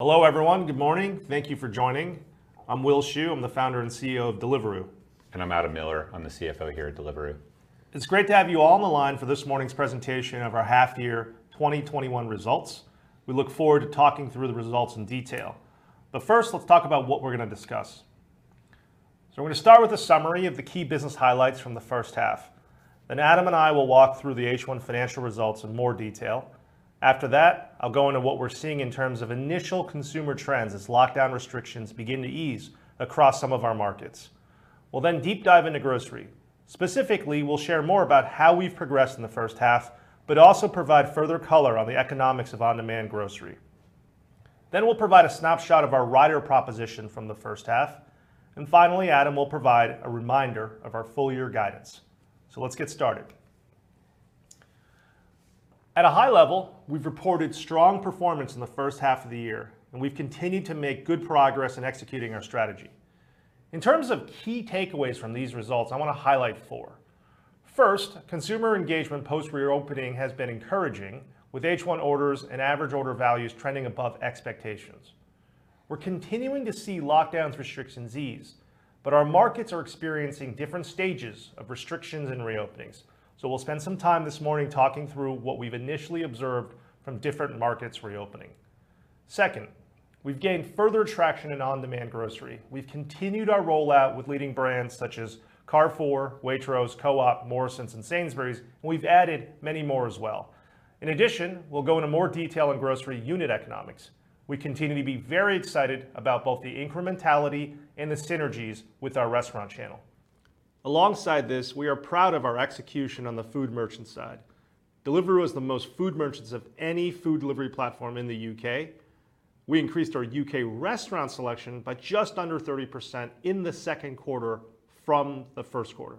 Hello, everyone. Good morning. Thank you for joining. I'm Will Shu, I'm the Founder and CEO of Deliveroo. I'm Adam Miller. I'm the CFO here at Deliveroo. It's great to have you all on the line for this morning's presentation of our half year 2021 results. We look forward to talking through the results in detail. First, let's talk about what we're going to discuss. We're going to start with a summary of the key business highlights from the first half. Adam and I will walk through the H1 financial results in more detail. After that, I'll go into what we're seeing in terms of initial consumer trends as lockdown restrictions begin to ease across some of our markets. We'll deep dive into grocery. Specifically, we'll share more about how we've progressed in the first half, but also provide further color on the economics of on-demand grocery. We'll provide a snapshot of our rider proposition from the first half, and finally, Adam will provide a reminder of our full year guidance. Let's get started. At a high level, we've reported strong performance in the first half of the year, and we've continued to make good progress in executing our strategy. In terms of key takeaways from these results, I want to highlight four. First, consumer engagement post reopening has been encouraging, with H1 orders and average order values trending above expectations. We're continuing to see lockdown restrictions ease, but our markets are experiencing different stages of restrictions and reopenings. We'll spend some time this morning talking through what we've initially observed from different markets reopening. Second, we've gained further traction in on-demand grocery. We've continued our rollout with leading brands such as Carrefour, Waitrose, Co-op, Morrisons, and Sainsbury's, and we've added many more as well. In addition, we'll go into more detail on grocery unit economics. We continue to be very excited about both the incrementality and the synergies with our restaurant channel. Alongside this, we are proud of our execution on the food merchant side. Deliveroo has the most food merchants of any food delivery platform in the U.K. We increased our U.K. restaurant selection by just under 30% in the second quarter from the first quarter.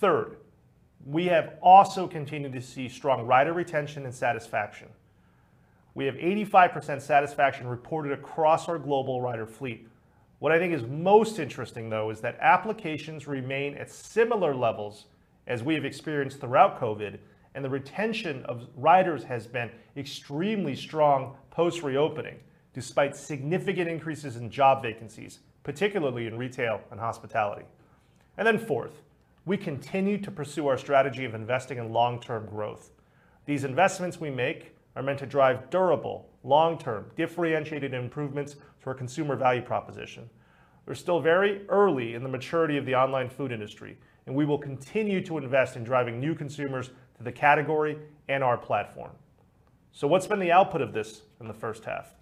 Third, we have also continued to see strong rider retention and satisfaction. We have 85% satisfaction reported across our global rider fleet. What I think is most interesting, though, is that applications remain at similar levels as we have experienced throughout COVID, and the retention of riders has been extremely strong post reopening, despite significant increases in job vacancies, particularly in retail and hospitality. Fourth, we continue to pursue our strategy of investing in long-term growth. These investments we make are meant to drive durable, long-term, differentiated improvements to our consumer value proposition. We're still very early in the maturity of the online food industry, and we will continue to invest in driving new consumers to the category and our platform. What's been the output of this in the first half?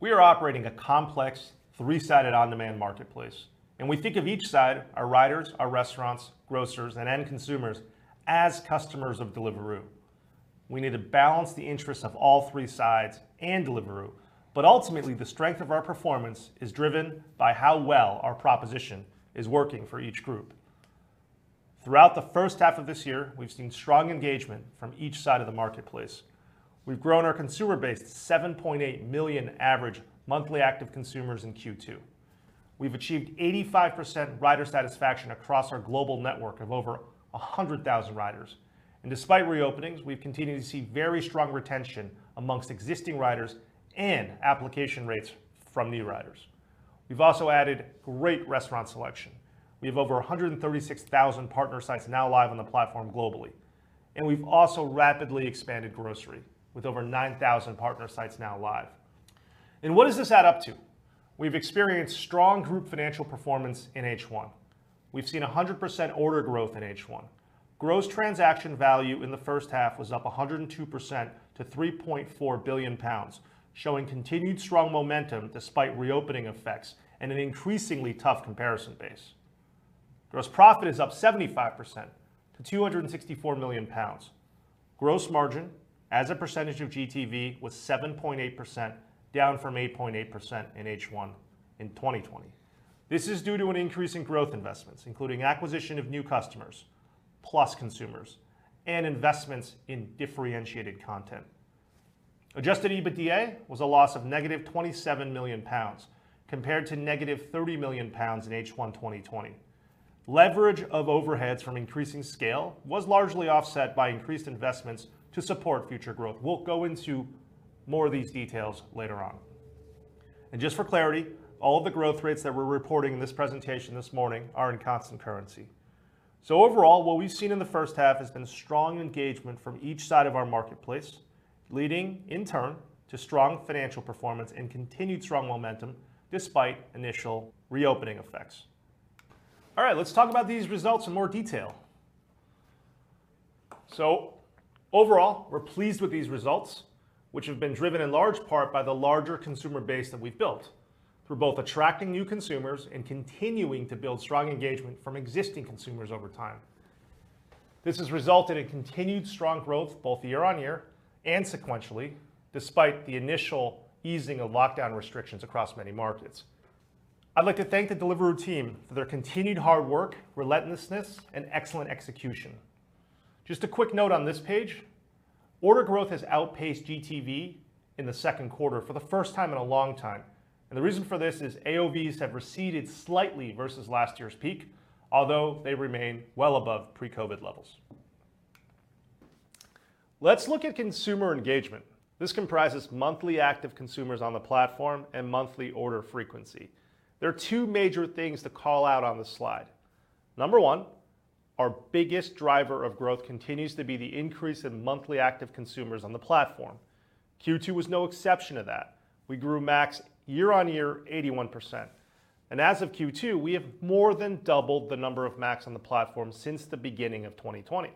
We are operating a complex three-sided on-demand marketplace, and we think of each side, our riders, our restaurants, grocers, and end consumers, as customers of Deliveroo. We need to balance the interests of all three sides and Deliveroo, but ultimately, the strength of our performance is driven by how well our proposition is working for each group. Throughout the first half of this year, we've seen strong engagement from each side of the marketplace. We've grown our consumer base to 7.8 million average monthly active consumers in Q2. We've achieved 85% rider satisfaction across our global network of over 100,000 riders. Despite reopenings, we've continued to see very strong retention amongst existing riders and application rates from new riders. We've also added great restaurant selection. We have over 136,000 partner sites now live on the platform globally, and we've also rapidly expanded grocery, with over 9,000 partner sites now live. What does this add up to? We've experienced strong group financial performance in H1. We've seen 100% order growth in H1. Gross transaction value in the first half was up 102% to 3.4 billion pounds, showing continued strong momentum despite reopening effects and an increasingly tough comparison base. Gross profit is up 75% to 264 million pounds. Gross margin as a percentage of GTV was 7.8%, down from 8.8% in H1 in 2020. This is due to an increase in growth investments, including acquisition of new customers, Plus consumers, and investments in differentiated content. Adjusted EBITDA was a loss of -27 million pounds, compared to -30 million pounds in H1 2020. Leverage of overheads from increasing scale was largely offset by increased investments to support future growth. We'll go into more of these details later on. Just for clarity, all of the growth rates that we're reporting in this presentation this morning are in constant currency. Overall, what we've seen in the first half has been strong engagement from each side of our marketplace, leading in turn to strong financial performance and continued strong momentum despite initial reopening effects. Right, let's talk about these results in more detail. Overall, we're pleased with these results, which have been driven in large part by the larger consumer base that we've built through both attracting new consumers and continuing to build strong engagement from existing consumers over time. This has resulted in continued strong growth both year-over-year and sequentially, despite the initial easing of lockdown restrictions across many markets. I'd like to thank the Deliveroo team for their continued hard work, relentlessness, and excellent execution. Just a quick note on this page. Order growth has outpaced GTV in the second quarter for the first time in a long time, and the reason for this is AOVs have receded slightly versus last year's peak, although they remain well above pre-COVID levels. Let's look at consumer engagement. This comprises monthly active consumers on the platform and monthly order frequency. There are two major things to call out on this slide. Number one, our biggest driver of growth continues to be the increase in Monthly Active Consumers on the platform. Q2 was no exception to that. We grew MACs year-over-year 81%. As of Q2, we have more than doubled the number of MACs on the platform since the beginning of 2020.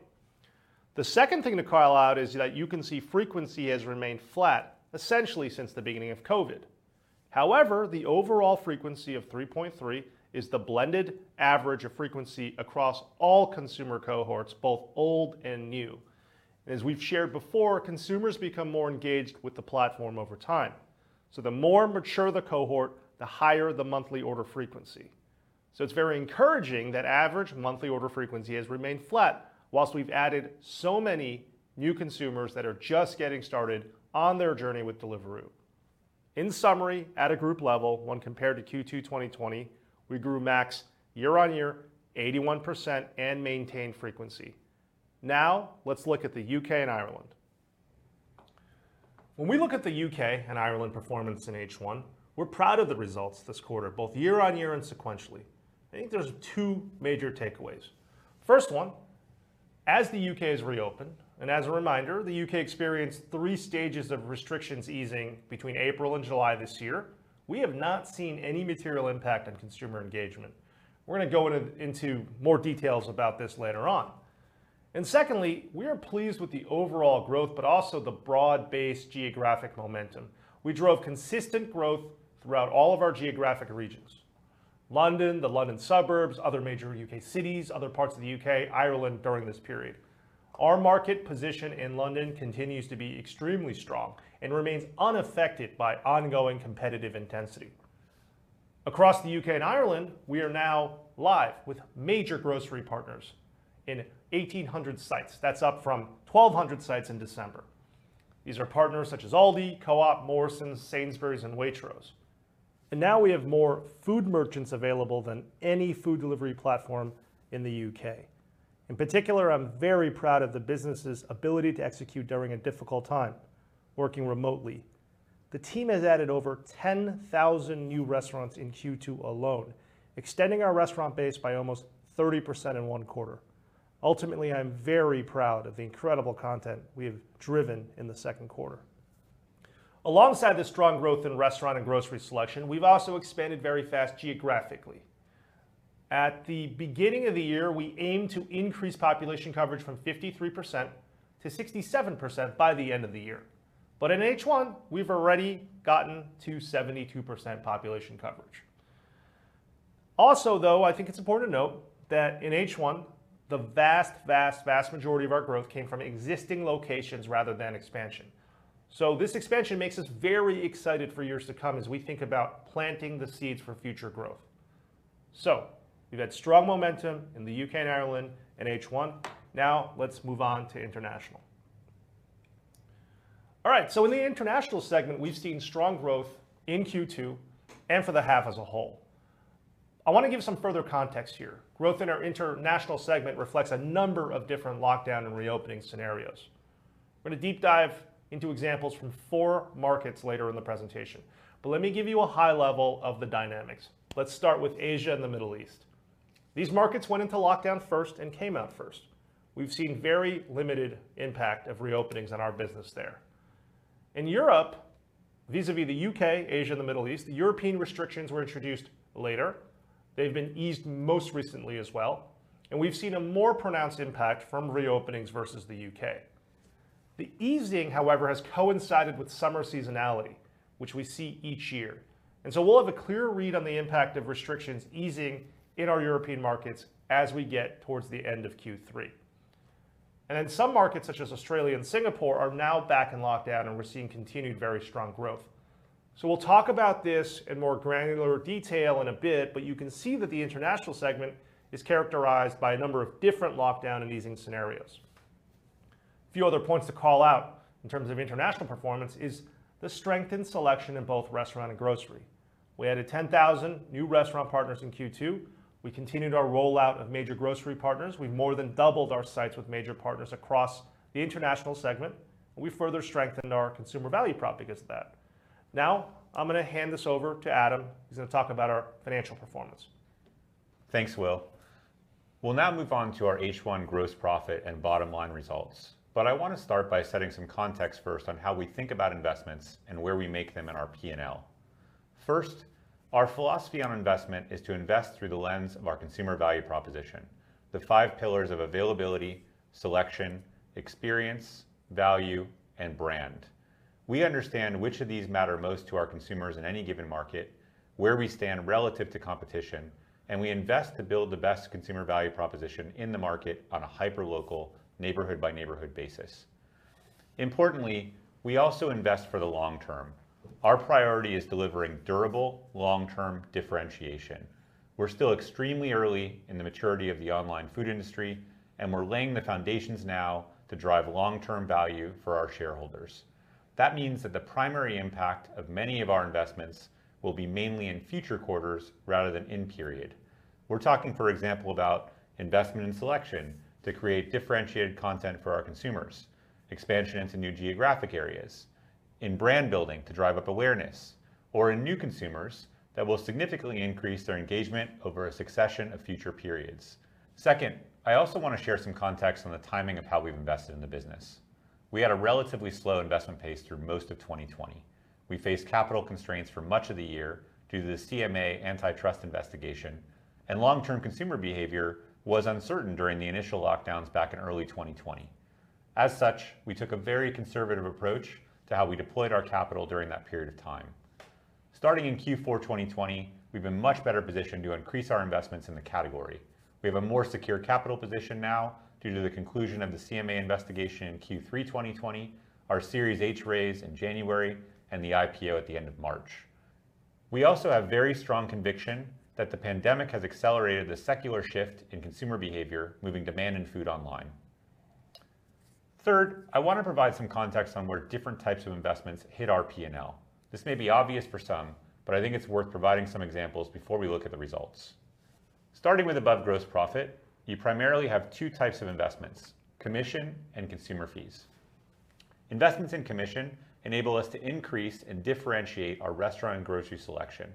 The second thing to call out is that you can see frequency has remained flat essentially since the beginning of COVID. However, the overall frequency of 3.3 is the blended average of frequency across all consumer cohorts, both old and new. As we've shared before, consumers become more engaged with the platform over time. The more mature the cohort, the higher the monthly order frequency. It's very encouraging that average monthly order frequency has remained flat while we've added so many new consumers that are just getting started on their journey with Deliveroo. In summary, at a group level, when compared to Q2 2020, we grew MACs year-on-year 81% and maintained frequency. Now, let's look at the U.K. and Ireland. When we look at the U.K. and Ireland performance in H1, we're proud of the results this quarter, both year-on-year and sequentially. I think there's two major takeaways. First one, as the U.K. has reopened, and as a reminder, the U.K. experienced three stages of restrictions easing between April and July this year, we have not seen any material impact on consumer engagement. We're going to go into more details about this later on. Secondly, we are pleased with the overall growth, but also the broad-based geographic momentum. We drove consistent growth throughout all of our geographic regions, London, the London suburbs, other major U.K. cities, other parts of the U.K., Ireland during this period. Our market position in London continues to be extremely strong and remains unaffected by ongoing competitive intensity. Across the U.K. and Ireland, we are now live with major grocery partners in 1,800 sites. That's up from 1,200 sites in December. These are partners such as Aldi, Co-op, Morrisons, Sainsbury's, and Waitrose. Now we have more food merchants available than any food delivery platform in the U.K. In particular, I'm very proud of the business's ability to execute during a difficult time, working remotely. The team has added over 10,000 new restaurants in Q2 alone, extending our restaurant base by almost 30% in one quarter. Ultimately, I'm very proud of the incredible content we have driven in the second quarter. Alongside the strong growth in restaurant and grocery selection, we've also expanded very fast geographically. At the beginning of the year, we aimed to increase population coverage from 53%- 67% by the end of the year. In H1, we've already gotten to 72% population coverage. Also, though, I think it's important to note that in H1, the vast, vast majority of our growth came from existing locations rather than expansion. This expansion makes us very excited for years to come as we think about planting the seeds for future growth. We've had strong momentum in the U.K. and Ireland in H1. Now let's move on to international. All right, in the international segment, we've seen strong growth in Q2 and for the half as a whole. I want to give some further context here. Growth in our international segment reflects a number of different lockdown and reopening scenarios. We're going to deep dive into examples from four markets later in the presentation, but let me give you a high level of the dynamics. Let's start with Asia and the Middle East. These markets went into lockdown first and came out first. We've seen very limited impact of reopenings on our business there. In Europe, vis-à-vis the U.K., Asia, and the Middle East, the European restrictions were introduced later. They've been eased most recently as well, and we've seen a more pronounced impact from reopenings versus the U.K. The easing, however, has coincided with summer seasonality, which we see each year, and so we'll have a clearer read on the impact of restrictions easing in our European markets as we get towards the end of Q3. Some markets, such as Australia and Singapore, are now back in lockdown, and we're seeing continued very strong growth. We'll talk about this in more granular detail in a bit, but you can see that the international segment is characterized by a number of different lockdown and easing scenarios. A few other points to call out in terms of international performance is the strength in selection in both restaurant and grocery. We added 10,000 new restaurant partners in Q2. We continued our rollout of major grocery partners. We've more than doubled our sites with major partners across the international segment, and we further strengthened our consumer value prop because of that. I'm going to hand this over to Adam, who's going to talk about our financial performance. Thanks, Will. We'll now move on to our H1 gross profit and bottom-line results. I want to start by setting some context first on how we think about investments and where we make them in our P&L. First, our philosophy on investment is to invest through the lens of our consumer value proposition, the five pillars of availability, selection, experience, value, and brand. We understand which of these matter most to our consumers in any given market, where we stand relative to competition, and we invest to build the best consumer value proposition in the market on a hyperlocal, neighborhood-by-neighborhood basis. Importantly, we also invest for the long term. Our priority is delivering durable, long-term differentiation. We're still extremely early in the maturity of the online food industry, and we're laying the foundations now to drive long-term value for our shareholders. That means that the primary impact of many of our investments will be mainly in future quarters rather than in period. We're talking, for example, about investment in selection to create differentiated content for our consumers, expansion into new geographic areas, and in brand building to drive up awareness, or in new consumers that will significantly increase their engagement over a succession of future periods. I also want to share some context on the timing of how we've invested in the business. We had a relatively slow investment pace through most of 2020. We faced capital constraints for much of the year due to the CMA antitrust investigation. Long-term consumer behavior was uncertain during the initial lockdowns back in early 2020. We took a very conservative approach to how we deployed our capital during that period of time. Starting in Q4 2020, we've been much better positioned to increase our investments in the category. We have a more secure capital position now due to the conclusion of the CMA investigation in Q3 2020, our Series H raise in January, and the IPO at the end of March. We also have very strong conviction that the pandemic has accelerated the secular shift in consumer behavior, moving demand in food online. Third, I want to provide some context on where different types of investments hit our P&L. This may be obvious for some, but I think it's worth providing some examples before we look at the results. Starting with above gross profit, you primarily have two types of investments, commission and consumer fees. Investments in commission enable us to increase and differentiate our restaurant and grocery selection.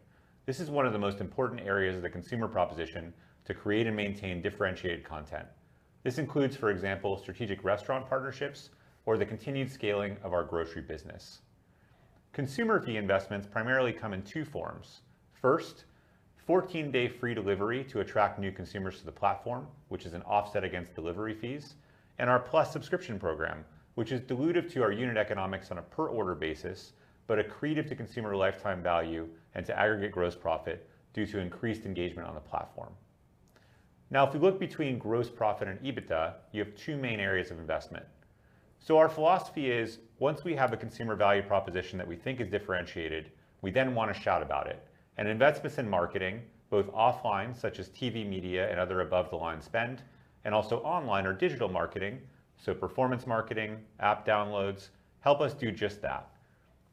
This is one of the most important areas of the consumer proposition to create and maintain differentiated content. This includes, for example, strategic restaurant partnerships or the continued scaling of our grocery business. Consumer fee investments primarily come in two forms. First, 14-day free delivery to attract new consumers to the platform, which is an offset against delivery fees, and our Deliveroo Plus subscription program, which is dilutive to our unit economics on a per-order basis, but accretive to consumer lifetime value and to aggregate gross profit due to increased engagement on the platform. If we look between gross profit and EBITDA, you have two main areas of investment. Our philosophy is, once we have a consumer value proposition that we think is differentiated, we then want to shout about it. Investments in marketing, both offline, such as TV, media, and other above-the-line spend, and also online or digital marketing, so performance marketing, app downloads, help us do just that.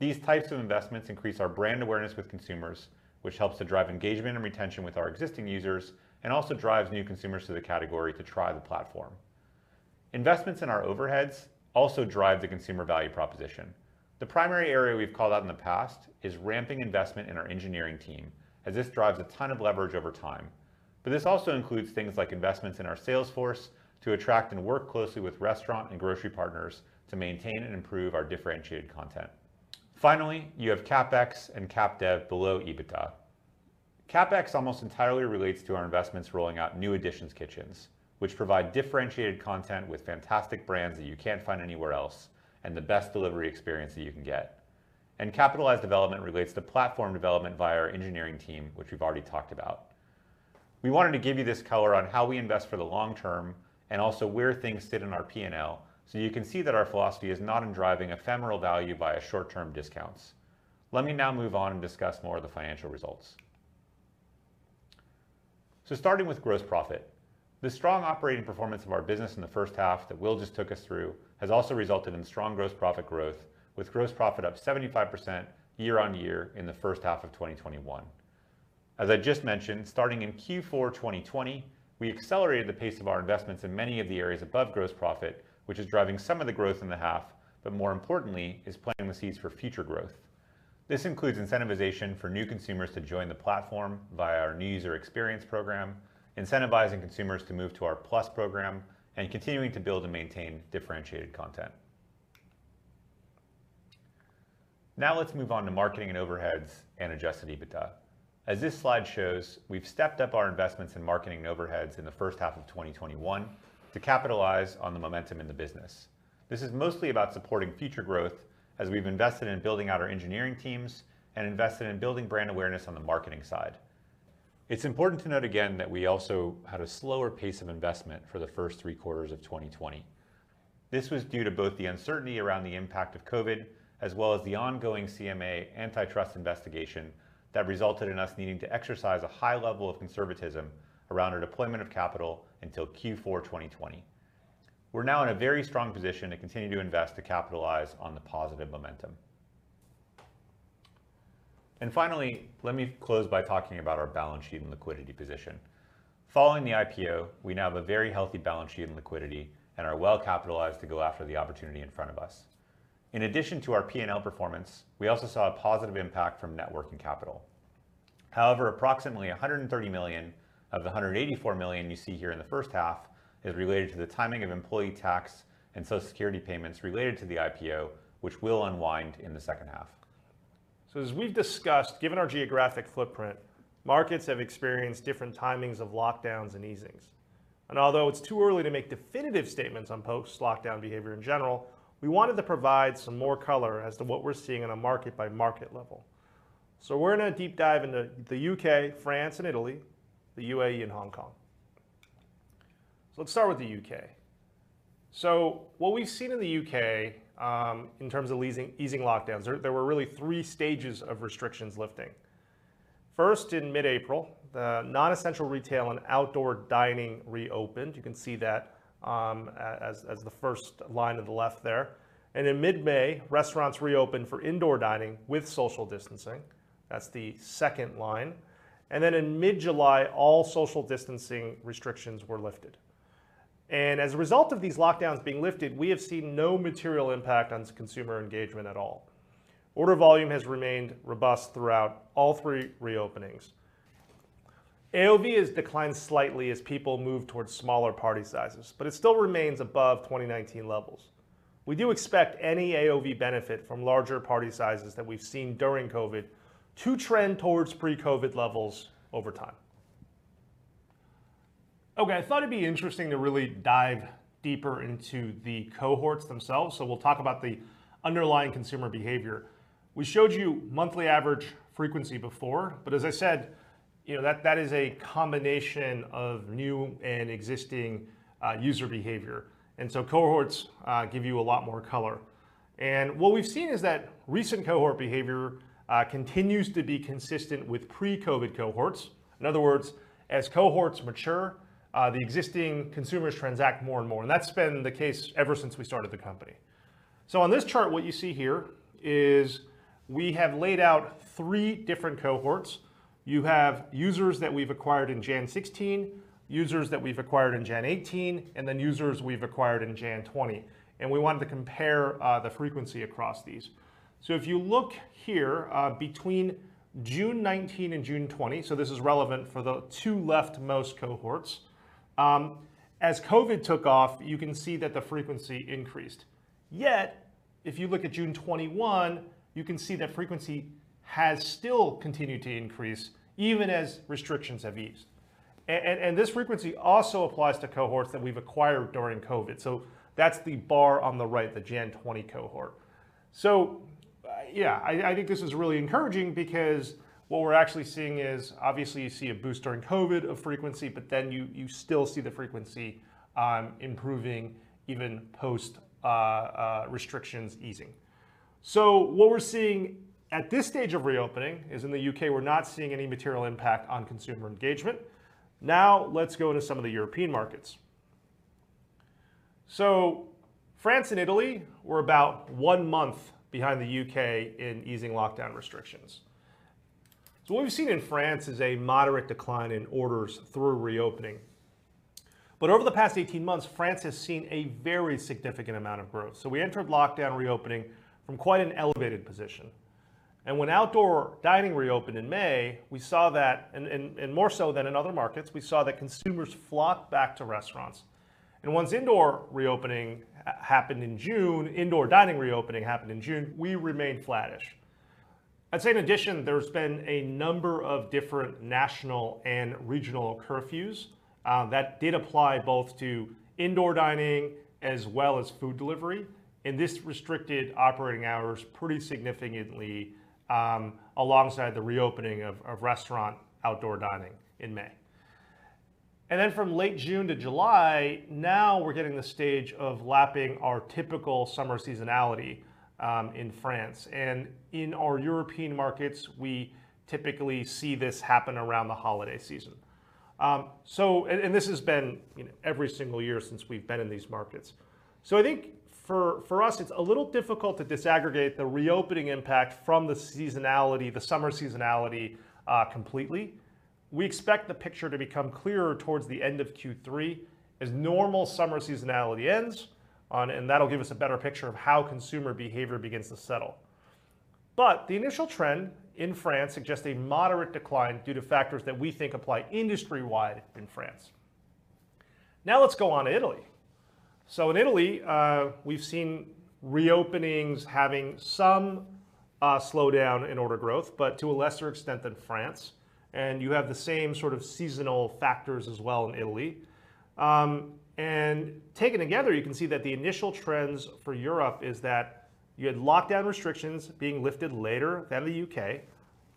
These types of investments increase our brand awareness with consumers, which helps to drive engagement and retention with our existing users and also drives new consumers to the category to try the platform. Investments in our overheads also drive the consumer value proposition. The primary area we've called out in the past is ramping investment in our engineering team, as this drives a ton of leverage over time. This also includes things like investments in our sales force to attract and work closely with restaurant and grocery partners to maintain and improve our differentiated content. Finally, you have CapEx and CapDev below EBITDA. CapEx almost entirely relates to our investments rolling out new Editions kitchens, which provide differentiated content with fantastic brands that you can't find anywhere else and the best delivery experience that you can get. Capitalized development relates to platform development via our engineering team, which we've already talked about. We wanted to give you this color on how we invest for the long term and also where things sit in our P&L so you can see that our philosophy is not in driving ephemeral value via short-term discounts. Let me now move on and discuss more of the financial results. Starting with gross profit, the strong operating performance of our business in the first half that Will just took us through has also resulted in strong gross profit growth, with gross profit up 75% year-on-year in the first half of 2021. As I just mentioned, starting in Q4 2020, we accelerated the pace of our investments in many of the areas above gross profit, which is driving some of the growth in the half, but more importantly, is planting the seeds for future growth. This includes incentivization for new consumers to join the platform via our new user experience program, incentivizing consumers to move to our Plus program, and continuing to build and maintain differentiated content. Now let's move on to marketing and overheads and adjusted EBITDA. As this slide shows, we've stepped up our investments in marketing and overheads in the first half of 2021 to capitalize on the momentum in the business. This is mostly about supporting future growth as we've invested in building out our engineering teams and invested in building brand awareness on the marketing side. It's important to note again that we also had a slower pace of investment for the first three quarters of 2020. This was due to both the uncertainty around the impact of COVID, as well as the ongoing CMA antitrust investigation that resulted in us needing to exercise a high level of conservatism around our deployment of capital until Q4 2020. We're now in a very strong position to continue to invest to capitalize on the positive momentum. Finally, let me close by talking about our balance sheet and liquidity position. Following the IPO, we now have a very healthy balance sheet and liquidity and are well capitalized to go after the opportunity in front of us. In addition to our P&L performance, we also saw a positive impact from net working capital. Approximately 130 million of the 184 million you see here in the first half is related to the timing of employee tax and Social Security payments related to the IPO, which will unwind in the second half. As we've discussed, given our geographic footprint, markets have experienced different timings of lockdowns and easings. Although it's too early to make definitive statements on post-lockdown behavior in general, we wanted to provide some more color as to what we're seeing on a market-by-market level. We're going to deep dive into the U.K., France, and Italy, the UAE, and Hong Kong. Let's start with the U.K. What we've seen in the U.K., in terms of easing lockdowns, there were really three stages of restrictions lifting. First, in mid-April, the non-essential retail and outdoor dining reopened. You can see that as the first line to the left there. In mid-May, restaurants reopened for indoor dining with social distancing. That's the second line. Then in mid-July, all social distancing restrictions were lifted. As a result of these lockdowns being lifted, we have seen no material impact on consumer engagement at all. Order volume has remained robust throughout all three reopenings. AOV has declined slightly as people move towards smaller party sizes, but it still remains above 2019 levels. We do expect any AOV benefit from larger party sizes that we've seen during COVID to trend towards pre-COVID levels over time. Okay, I thought it'd be interesting to really dive deeper into the cohorts themselves, we'll talk about the underlying consumer behavior. We showed you monthly average frequency before, as I said, that is a combination of new and existing user behavior. Cohorts give you a lot more color. What we've seen is that recent cohort behavior continues to be consistent with pre-COVID cohorts. In other words, as cohorts mature, the existing consumers transact more and more. That's been the case ever since we started the company. On this chart, what you see here is we have laid out three different cohorts. You have users that we've acquired in Jan 2016, users that we've acquired in Jan 2018, and then users we've acquired in Jan 2020. We wanted to compare the frequency across these. If you look here, between June 2019 and June 2020, so this is relevant for the two leftmost cohorts, as COVID took off, you can see that the frequency increased. If you look at June 2021, you can see that frequency has still continued to increase, even as restrictions have eased. This frequency also applies to cohorts that we've acquired during COVID. That's the bar on the right, the January 2020 cohort. Yeah, I think this is really encouraging because what we're actually seeing is, obviously, you see a boost during COVID of frequency, but then you still see the frequency improving even post-restrictions easing. What we're seeing at this stage of reopening is in the U.K., we're not seeing any material impact on consumer engagement. Now, let's go into some of the European markets. France and Italy were about one month behind the U.K. in easing lockdown restrictions. What we've seen in France is a moderate decline in orders through reopening. Over the past 18 months, France has seen a very significant amount of growth. We entered lockdown reopening from quite an elevated position. When outdoor dining reopened in May, we saw that, and more so than in other markets, we saw that consumers flocked back to restaurants. Once indoor dining reopening happened in June, we remained flattish. I'd say in addition, there's been a number of different national and regional curfews that did apply both to indoor dining as well as food delivery, and this restricted operating hours pretty significantly alongside the reopening of restaurant outdoor dining in May. Then from late June to July, now we're getting the stage of lapping our typical summer seasonality in France. In our European markets, we typically see this happen around the holiday season. This has been every single year since we've been in these markets. I think for us, it's a little difficult to disaggregate the reopening impact from the seasonality, the summer seasonality completely. We expect the picture to become clearer towards the end of Q3 as normal summer seasonality ends, That'll give us a better picture of how consumer behavior begins to settle. The initial trend in France suggests a moderate decline due to factors that we think apply industry-wide in France. Let's go on to Italy. In Italy, we've seen reopenings having some slowdown in order growth, but to a lesser extent than France, and you have the same sort of seasonal factors as well in Italy. Taken together, you can see that the initial trend for Europe is that you had lockdown restrictions being lifted later than the U.K.,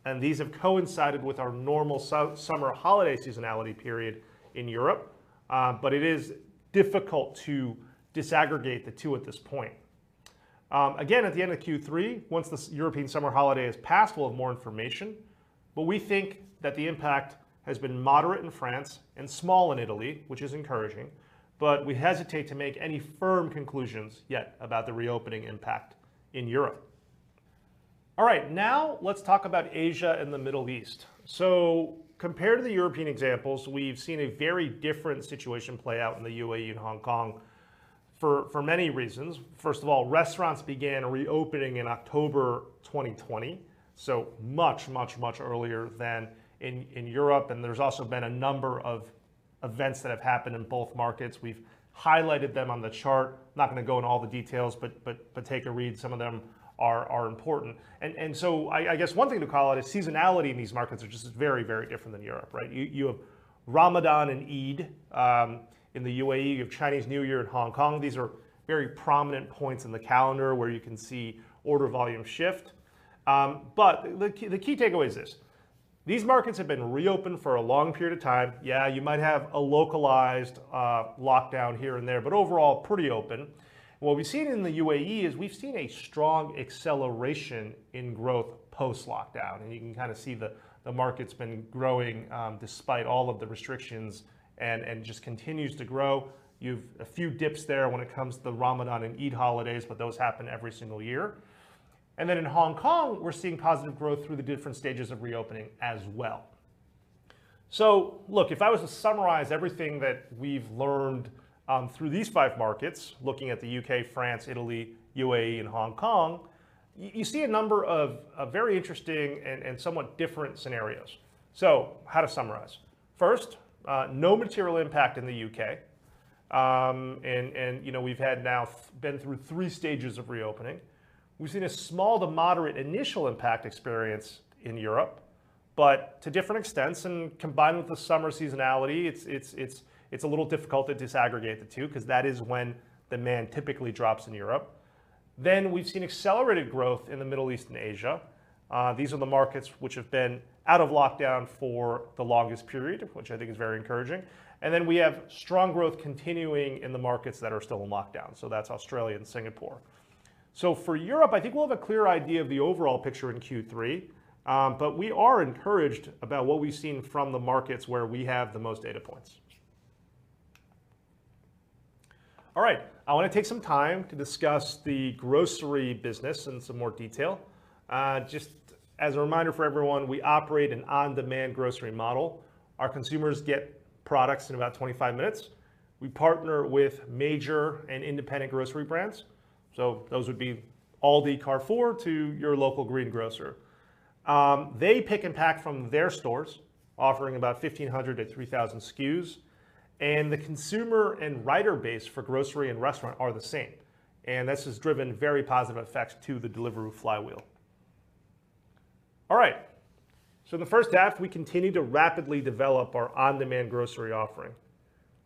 and these have coincided with our normal summer holiday seasonality period in Europe. It is difficult to disaggregate the two at this point. At the end of Q3, once this European summer holiday has passed, we'll have more information. We think that the impact has been moderate in France and small in Italy, which is encouraging, but we hesitate to make any firm conclusions yet about the reopening impact in Europe. All right. Let's talk about Asia and the Middle East. Compared to the European examples, we've seen a very different situation play out in the UAE and Hong Kong for many reasons. First of all, restaurants began reopening in October 2020, so much earlier than in Europe, and there's also been a number of events that have happened in both markets. We've highlighted them on the chart. Not going to go into all the details, but take a read. Some of them are important. I guess one thing to call out is seasonality in these markets are just very different than Europe, right. You have Ramadan and Eid in the UAE You have Chinese New Year in Hong Kong. These are very prominent points in the calendar where you can see order volume shift. The key takeaway is this. These markets have been reopened for a long period of time. Yeah, you might have a localized lockdown here and there, but overall, pretty open. What we've seen in the UAE is we've seen a strong acceleration in growth post-lockdown, and you can kind of see the market's been growing despite all of the restrictions and just continues to grow. You have a few dips there when it comes to the Ramadan and Eid holidays. Those happen every single year. In Hong Kong, we're seeing positive growth through the different stages of reopening as well. Look, if I was to summarize everything that we've learned through these five markets, looking at the U.K., France, Italy, UAE, and Hong Kong, you see a number of very interesting and somewhat different scenarios. How to summarize? First, no material impact in the U.K., and we've now been through three stages of reopening. We've seen a small to moderate initial impact experience in Europe, but to different extents, and combined with the summer seasonality, it's a little difficult to disaggregate the two because that is when demand typically drops in Europe. We've seen accelerated growth in the Middle East and Asia. These are the markets which have been out of lockdown for the longest period, which I think is very encouraging. We have strong growth continuing in the markets that are still in lockdown. That's Australia and Singapore. For Europe, I think we'll have a clear idea of the overall picture in Q3, but we are encouraged about what we've seen from the markets where we have the most data points. All right. I want to take some time to discuss the grocery business in some more detail. Just as a reminder for everyone, we operate an on-demand grocery model. Our consumers get products in about 25 minutes. We partner with major and independent grocery brands, so those would be Aldi, Carrefour to your local greengrocer. They pick and pack from their stores, offering about 1,500 to 3,000 SKUs. The consumer and rider base for grocery and restaurant are the same. This has driven very positive effects to the Deliveroo flywheel. All right. In the first half, we continued to rapidly develop our on-demand grocery offering.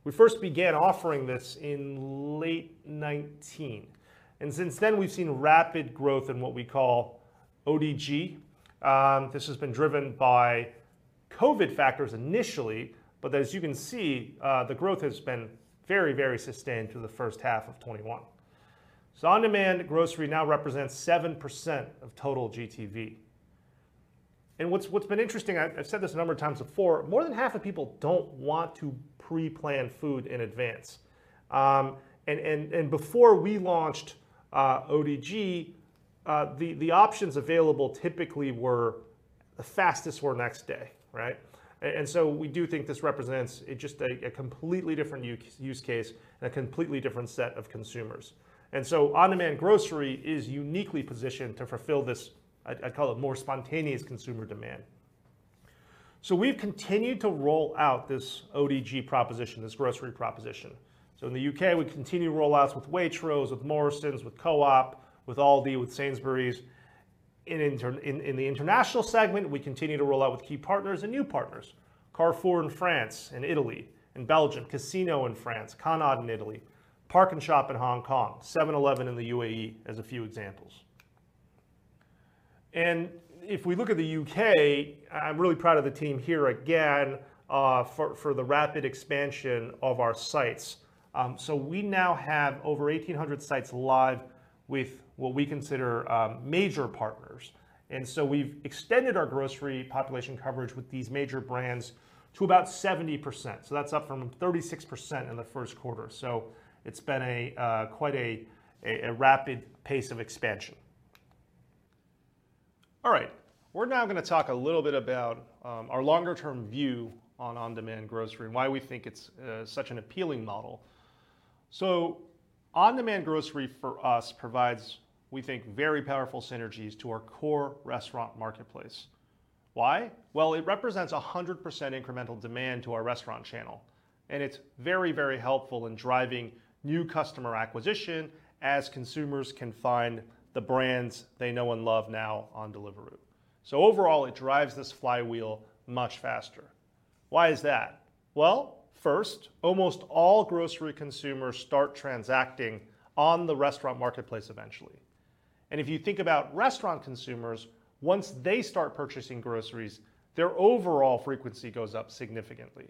We first began offering this in late 2019. Since then, we've seen rapid growth in what we call ODG. This has been driven by COVID factors initially. As you can see, the growth has been very sustained through the first half of 2021. On-demand grocery now represents 7% of total GTV. What's been interesting, I've said this a number of times before, more than half of people don't want to pre-plan food in advance. Before we launched ODG, the options available typically were the fastest or next day, right? We do think this represents just a completely different use case and a completely different set of consumers. On-demand grocery is uniquely positioned to fulfill this, I'd call it more spontaneous consumer demand. We've continued to roll out this ODG proposition, this grocery proposition. In the U.K., we continue rollouts with Waitrose, with Morrisons, with Co-op, with Aldi, with Sainsbury's. In the international segment, we continue to roll out with key partners and new partners, Carrefour in France and Italy and Belgium, Casino in France, Conad in Italy, PARKnSHOP in Hong Kong, 7-Eleven in the UAE as a few examples. If we look at the U.K., I'm really proud of the team here again, for the rapid expansion of our sites. We now have over 1,800 sites live with what we consider major partners, and so we've extended our grocery population coverage with these major brands to about 70%. That's up from 36% in the first quarter. It's been quite a rapid pace of expansion. All right. We're now going to talk a little bit about our longer-term view on on-demand grocery and why we think it's such an appealing model. On-demand grocery for us provides, we think, very powerful synergies to our core restaurant marketplace. Why? Well, it represents 100% incremental demand to our restaurant channel, and it's very helpful in driving new customer acquisition as consumers can find the brands they know and love now on Deliveroo. Overall, it drives this flywheel much faster. Why is that? Well, first, almost all grocery consumers start transacting on the restaurant marketplace eventually, and if you think about restaurant consumers, once they start purchasing groceries, their overall frequency goes up significantly.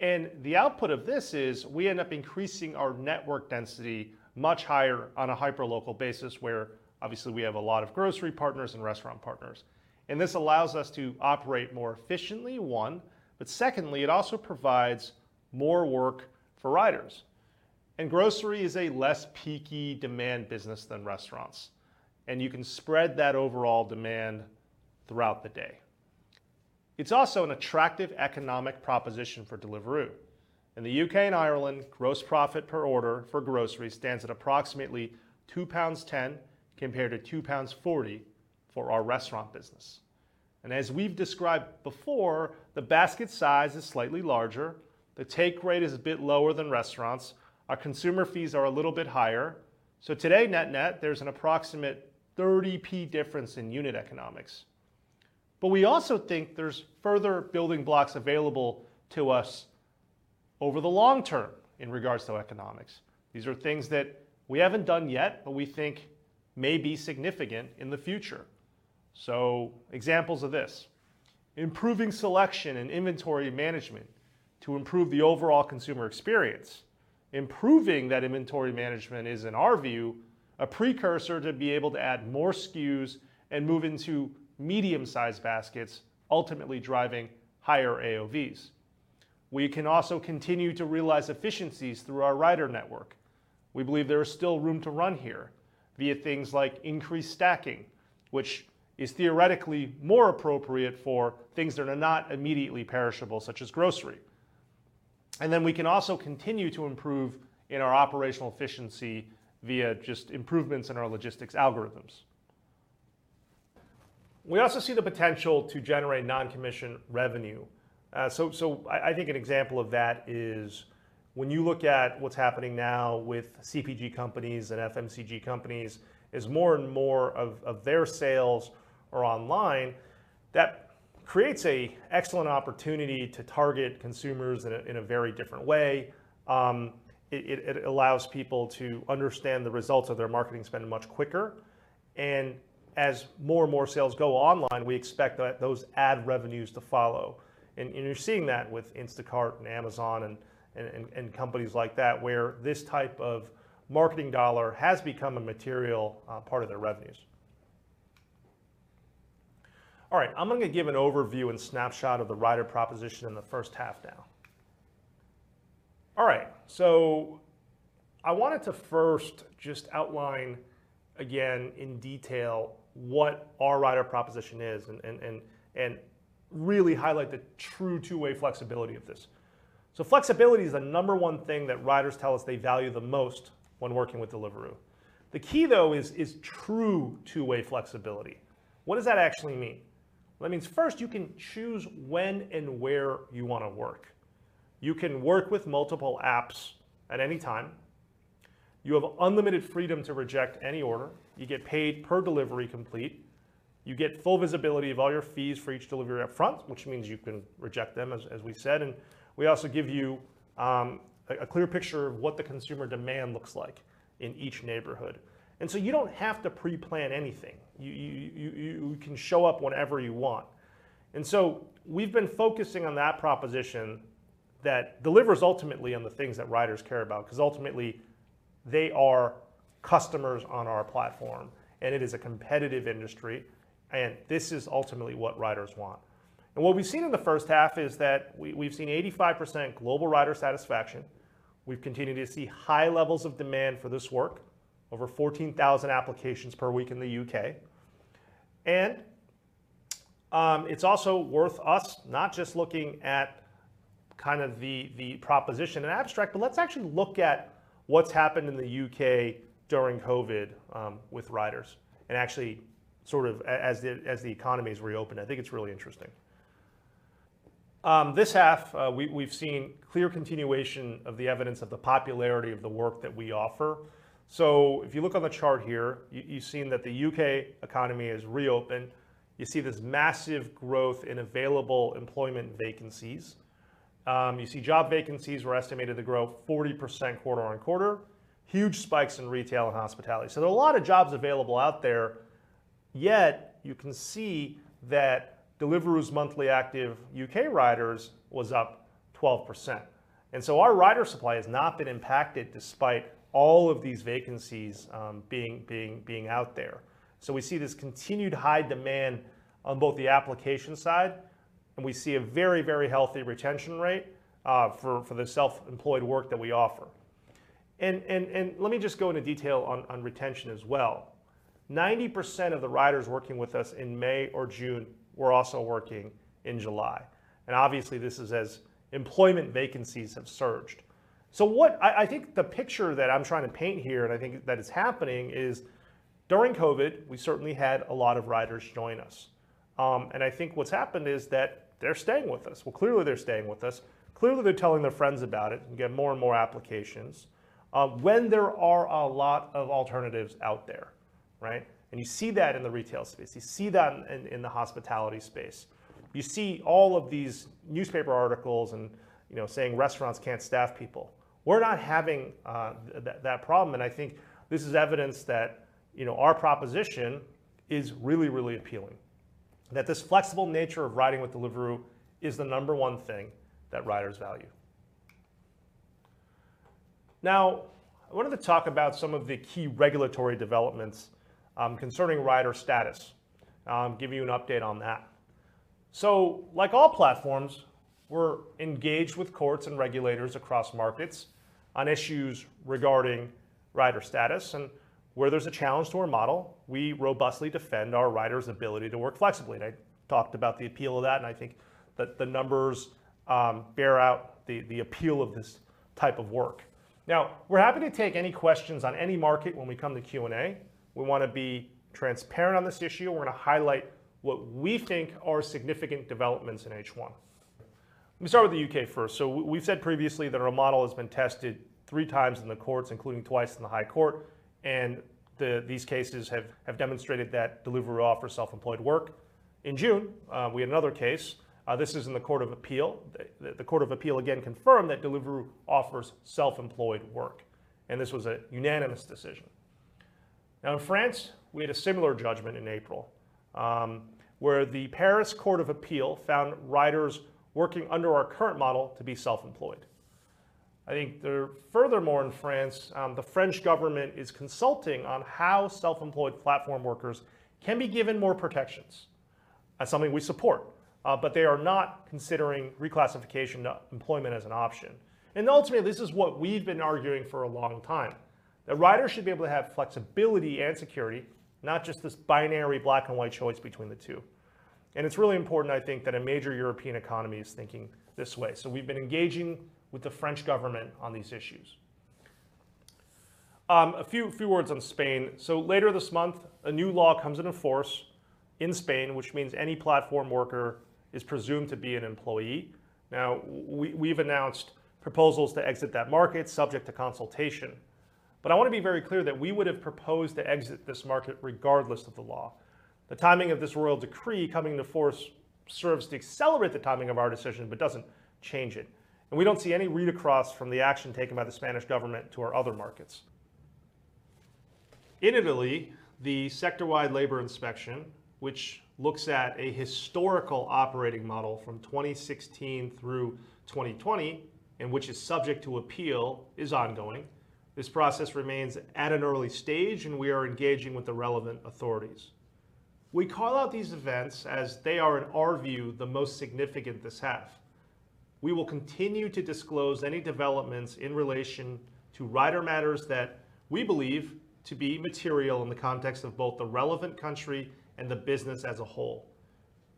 The output of this is we end up increasing our network density much higher on a hyper-local basis, where obviously we have a lot of grocery partners and restaurant partners. This allows us to operate more efficiently, one, but secondly, it also provides more work for riders, and grocery is a less peaky demand business than restaurants, and you can spread that overall demand throughout the day. It's also an attractive economic proposition for Deliveroo. In the U.K. and Ireland, gross profit per order for grocery stands at approximately 2.10 pounds compared to 2.40 pounds for our restaurant business. As we've described before, the basket size is slightly larger. The take rate is a bit lower than restaurants. Our consumer fees are a little bit higher. Today, net net, there's an approximate 0.30 difference in unit economics. We also think there's further building blocks available to us over the long term in regards to economics. These are things that we haven't done yet but we think may be significant in the future. Examples of this, improving selection and inventory management to improve the overall consumer experience. Improving that inventory management is, in our view, a precursor to be able to add more SKUs and move into medium-sized baskets, ultimately driving higher AOVs. We can also continue to realize efficiencies through our rider network. We believe there is still room to run here via things like increased stacking, which is theoretically more appropriate for things that are not immediately perishable, such as grocery. We can also continue to improve in our operational efficiency via just improvements in our logistics algorithms. We also see the potential to generate non-commission revenue. I think an example of that is when you look at what's happening now with CPG companies and FMCG companies, as more and more of their sales are online, that creates an excellent opportunity to target consumers in a very different way. It allows people to understand the results of their marketing spend much quicker, and as more and more sales go online, we expect those ad revenues to follow. You're seeing that with Instacart and Amazon and companies like that, where this type of marketing dollar has become a material part of their revenues. All right. I'm going to give an overview and snapshot of the rider proposition in the first half now. All right. I wanted to first just outline again, in detail, what our rider proposition is and really highlight the true two-way flexibility of this. Flexibility is the number one thing that riders tell us they value the most when working with Deliveroo. The key, though, is true two-way flexibility. What does that actually mean? That means first you can choose when and where you want to work. You can work with multiple apps at any time. You have unlimited freedom to reject any order. You get paid per delivery complete. You get full visibility of all your fees for each delivery up front, which means you can reject them, as we said, and we also give you a clear picture of what the consumer demand looks like in each neighborhood. You don't have to pre-plan anything. You can show up whenever you want. We've been focusing on that proposition that delivers ultimately on the things that riders care about, because ultimately, they are customers on our platform, and it is a competitive industry, and this is ultimately what riders want. What we've seen in the first half is that we've seen 85% global rider satisfaction. We've continued to see high levels of demand for this work, over 14,000 applications per week in the U.K. It's also worth us not just looking at kind of the proposition in abstract, but let's actually look at what's happened in the U.K. during COVID with riders and actually sort of as the economy has reopened. I think it's really interesting. This half, we've seen clear continuation of the evidence of the popularity of the work that we offer. If you look on the chart here, you've seen that the U.K. economy has reopened. You see this massive growth in available employment vacancies. You see job vacancies were estimated to grow 40% quarter on quarter, huge spikes in retail and hospitality. There are a lot of jobs available out there, yet you can see that Deliveroo's monthly active U.K. riders was up 12%. Our rider supply has not been impacted despite all of these vacancies being out there. We see this continued high demand on both the application side, and we see a very, very healthy retention rate for the self-employed work that we offer. Let me just go into detail on retention as well. 90% of the riders working with us in May or June were also working in July, and obviously this is as employment vacancies have surged. I think the picture that I'm trying to paint here, and I think that is happening is during COVID, we certainly had a lot of riders join us. I think what's happened is that they're staying with us. Clearly, they're staying with us. Clearly, they're telling their friends about it. We get more and more applications when there are a lot of alternatives out there, right? You see that in the retail space. You see that in the hospitality space. You see all of these newspaper articles saying restaurants can't staff people. We're not having that problem, and I think this is evidence that our proposition is really, really appealing, that this flexible nature of riding with Deliveroo is the number one thing that riders value. I wanted to talk about some of the key regulatory developments concerning rider status. I'll give you an update on that. Like all platforms, we're engaged with courts and regulators across markets on issues regarding rider status and where there's a challenge to our model, we robustly defend our riders' ability to work flexibly. I talked about the appeal of that, and I think that the numbers bear out the appeal of this type of work. We're happy to take any questions on any market when we come to Q&A. We want to be transparent on this issue. We're going to highlight what we think are significant developments in H1. Let me start with the U.K. first. We've said previously that our model has been tested three times in the courts, including twice in the High Court, and these cases have demonstrated that Deliveroo offers self-employed work. In June, we had another case. This is in the Court of Appeal. The Court of Appeal again confirmed that Deliveroo offers self-employed work. This was a unanimous decision. In France, we had a similar judgment in April, where the Paris Court of Appeal found riders working under our current model to be self-employed. In France, the French government is consulting on how self-employed platform workers can be given more protections. That's something we support. They are not considering reclassification to employment as an option. Ultimately, this is what we've been arguing for a long time, that riders should be able to have flexibility and security, not just this binary black and white choice between the two. It's really important, I think, that a major European economy is thinking this way. We've been engaging with the French government on these issues. A few words on Spain. Later this month, a new law comes into force in Spain, which means any platform worker is presumed to be an employee. We've announced proposals to exit that market, subject to consultation. I want to be very clear that we would have proposed to exit this market regardless of the law. The timing of this royal decree coming into force serves to accelerate the timing of our decision but doesn't change it. We don't see any read-across from the action taken by the Spanish government to our other markets. In Italy, the sector-wide labor inspection, which looks at a historical operating model from 2016 through 2020, and which is subject to appeal, is ongoing. This process remains at an early stage, and we are engaging with the relevant authorities. We call out these events as they are, in our view, the most significant this half. We will continue to disclose any developments in relation to rider matters that we believe to be material in the context of both the relevant country and the business as a whole.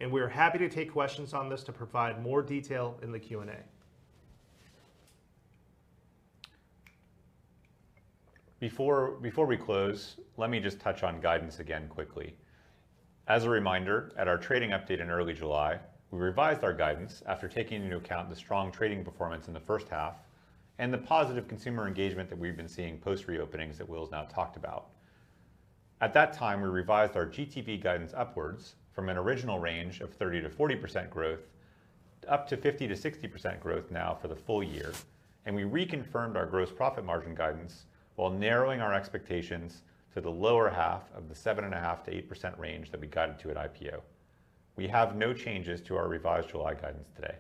We are happy to take questions on this to provide more detail in the Q&A. Before we close, let me just touch on guidance again quickly. As a reminder, at our trading update in early July, we revised our guidance after taking into account the strong trading performance in the first half and the positive consumer engagement that we've been seeing post re-openings that Will's now talked about. At that time, we revised our GTV guidance upwards from an original range of 30%-40% growth up to 50%-60% growth now for the full year. We reconfirmed our gross profit margin guidance while narrowing our expectations to the lower half of the 7.5%-8% range that we guided to at IPO. We have no changes to our revised July guidance today.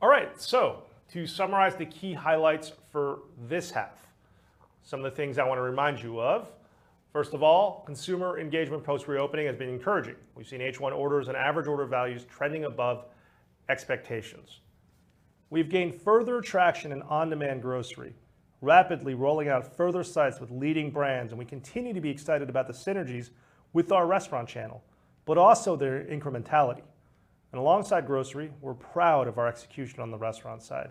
All right. To summarize the key highlights for this half, some of the things I want to remind you of, first of all, consumer engagement post reopening has been encouraging. We've seen H1 orders and average order values trending above expectations. We've gained further traction in on-demand grocery, rapidly rolling out further sites with leading brands, and we continue to be excited about the synergies with our restaurant channel, but also their incrementality. Alongside grocery, we're proud of our execution on the restaurant side.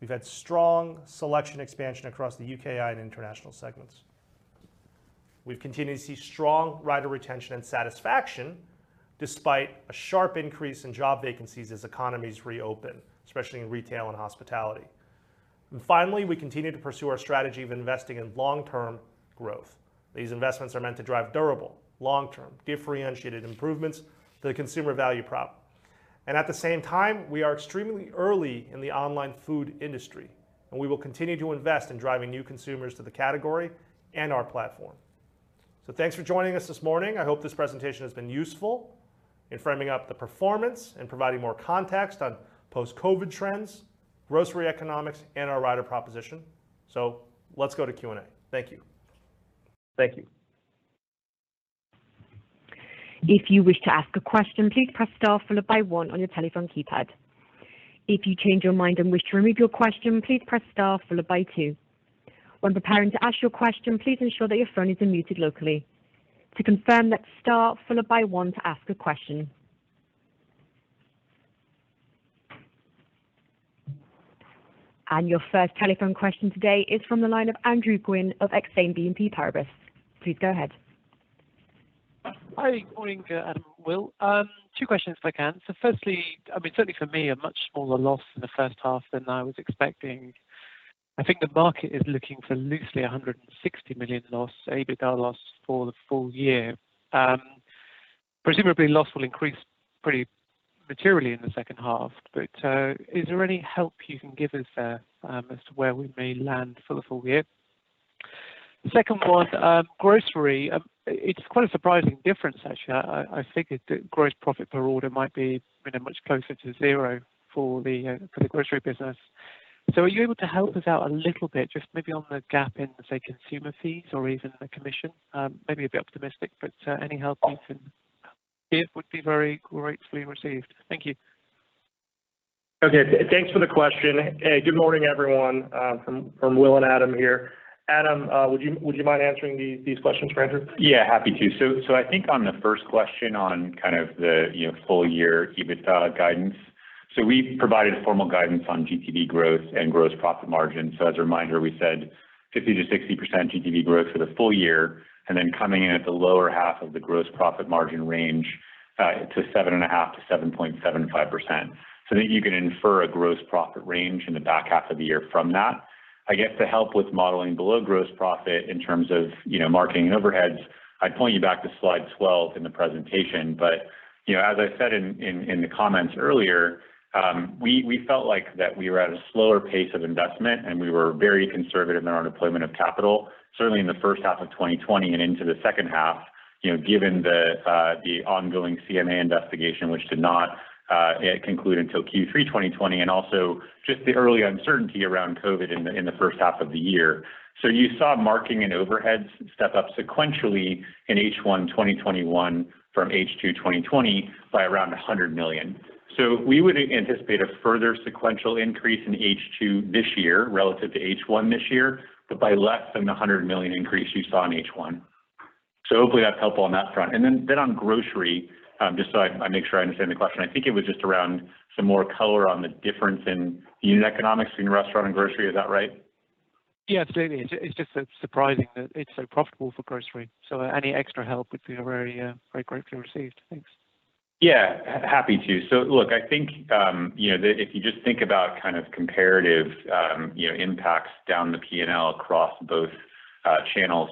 We've had strong selection expansion across the U.K., IE, and international segments. We've continued to see strong rider retention and satisfaction despite a sharp increase in job vacancies as economies reopen, especially in retail and hospitality. Finally, we continue to pursue our strategy of investing in long-term growth. These investments are meant to drive durable, long-term, differentiated improvements to the consumer value prop. At the same time, we are extremely early in the online food industry, and we will continue to invest in driving new consumers to the category and our platform. Thanks for joining us this morning. I hope this presentation has been useful in framing up the performance and providing more context on post-COVID trends, grocery economics, and our rider proposition. Let's go to Q&A. Thank you. Thank you. If you wish to ask a question, please press star followed by one on your telephone keypad. If you change your mind and wish to remove your question, please press star followed by two. When prepared to ask your question, please ensure that your phone is unmuted locally. To confirm, press star followed by one to ask a question. Your first telephone question today is from the line of Andrew Gwynn of Exane BNP Paribas. Please go ahead. Hi, good morning, Adam and Will. Two questions if I can. Firstly, certainly for me, a much smaller loss in the first half than I was expecting. I think the market is looking for loosely 160 million loss, EBITDA loss, for the full year. Presumably loss will increase pretty materially in the second half, but is there any help you can give us there as to where we may land for the full year? The second one, grocery, it is quite a surprising difference, actually. I figured that gross profit per order might be much closer to zero for the grocery business. Are you able to help us out a little bit, just maybe on the gap in, say, consumer fees or even the commission? Maybe a bit optimistic, but any help you can give would be very gratefully received. Thank you. Okay. Thanks for the question. Good morning, everyone, from Will and Adam here. Adam, would you mind answering these questions for Andrew? Yeah, happy to. I think on the first question on kind of the full year EBITDA guidance, we provided a formal guidance on GTV growth and gross profit margin. As a reminder, we said 50%-60% GTV growth for the full year and then coming in at the lower half of the gross profit margin range to 7.5%-7.75%. I think you can infer a gross profit range in the back half of the year from that. I guess to help with modeling below gross profit in terms of marketing and overheads, I'd point you back to slide 12 in the presentation. As I said in the comments earlier, we felt like that we were at a slower pace of investment, and we were very conservative in our deployment of capital, certainly in the first half of 2020 and into the second half, given the ongoing CMA investigation, which did not conclude until Q3 2020, and also just the early uncertainty around COVID in the first half of the year. You saw marketing and overheads step up sequentially in H1 2021 from H2 2020 by around 100 million. We would anticipate a further sequential increase in H2 this year relative to H1 this year, but by less than 100 million increase you saw in H1. Hopefully that's helpful on that front. On grocery, just so I make sure I understand the question, I think it was just around some more color on the difference in unit economics between restaurant and grocery. Is that right? Yeah, absolutely. It's just surprising that it's so profitable for grocery, so any extra help would be very greatly received. Thanks. Yeah. Happy to. Look, I think, if you just think about kind of comparative impacts down the P&L across both channels.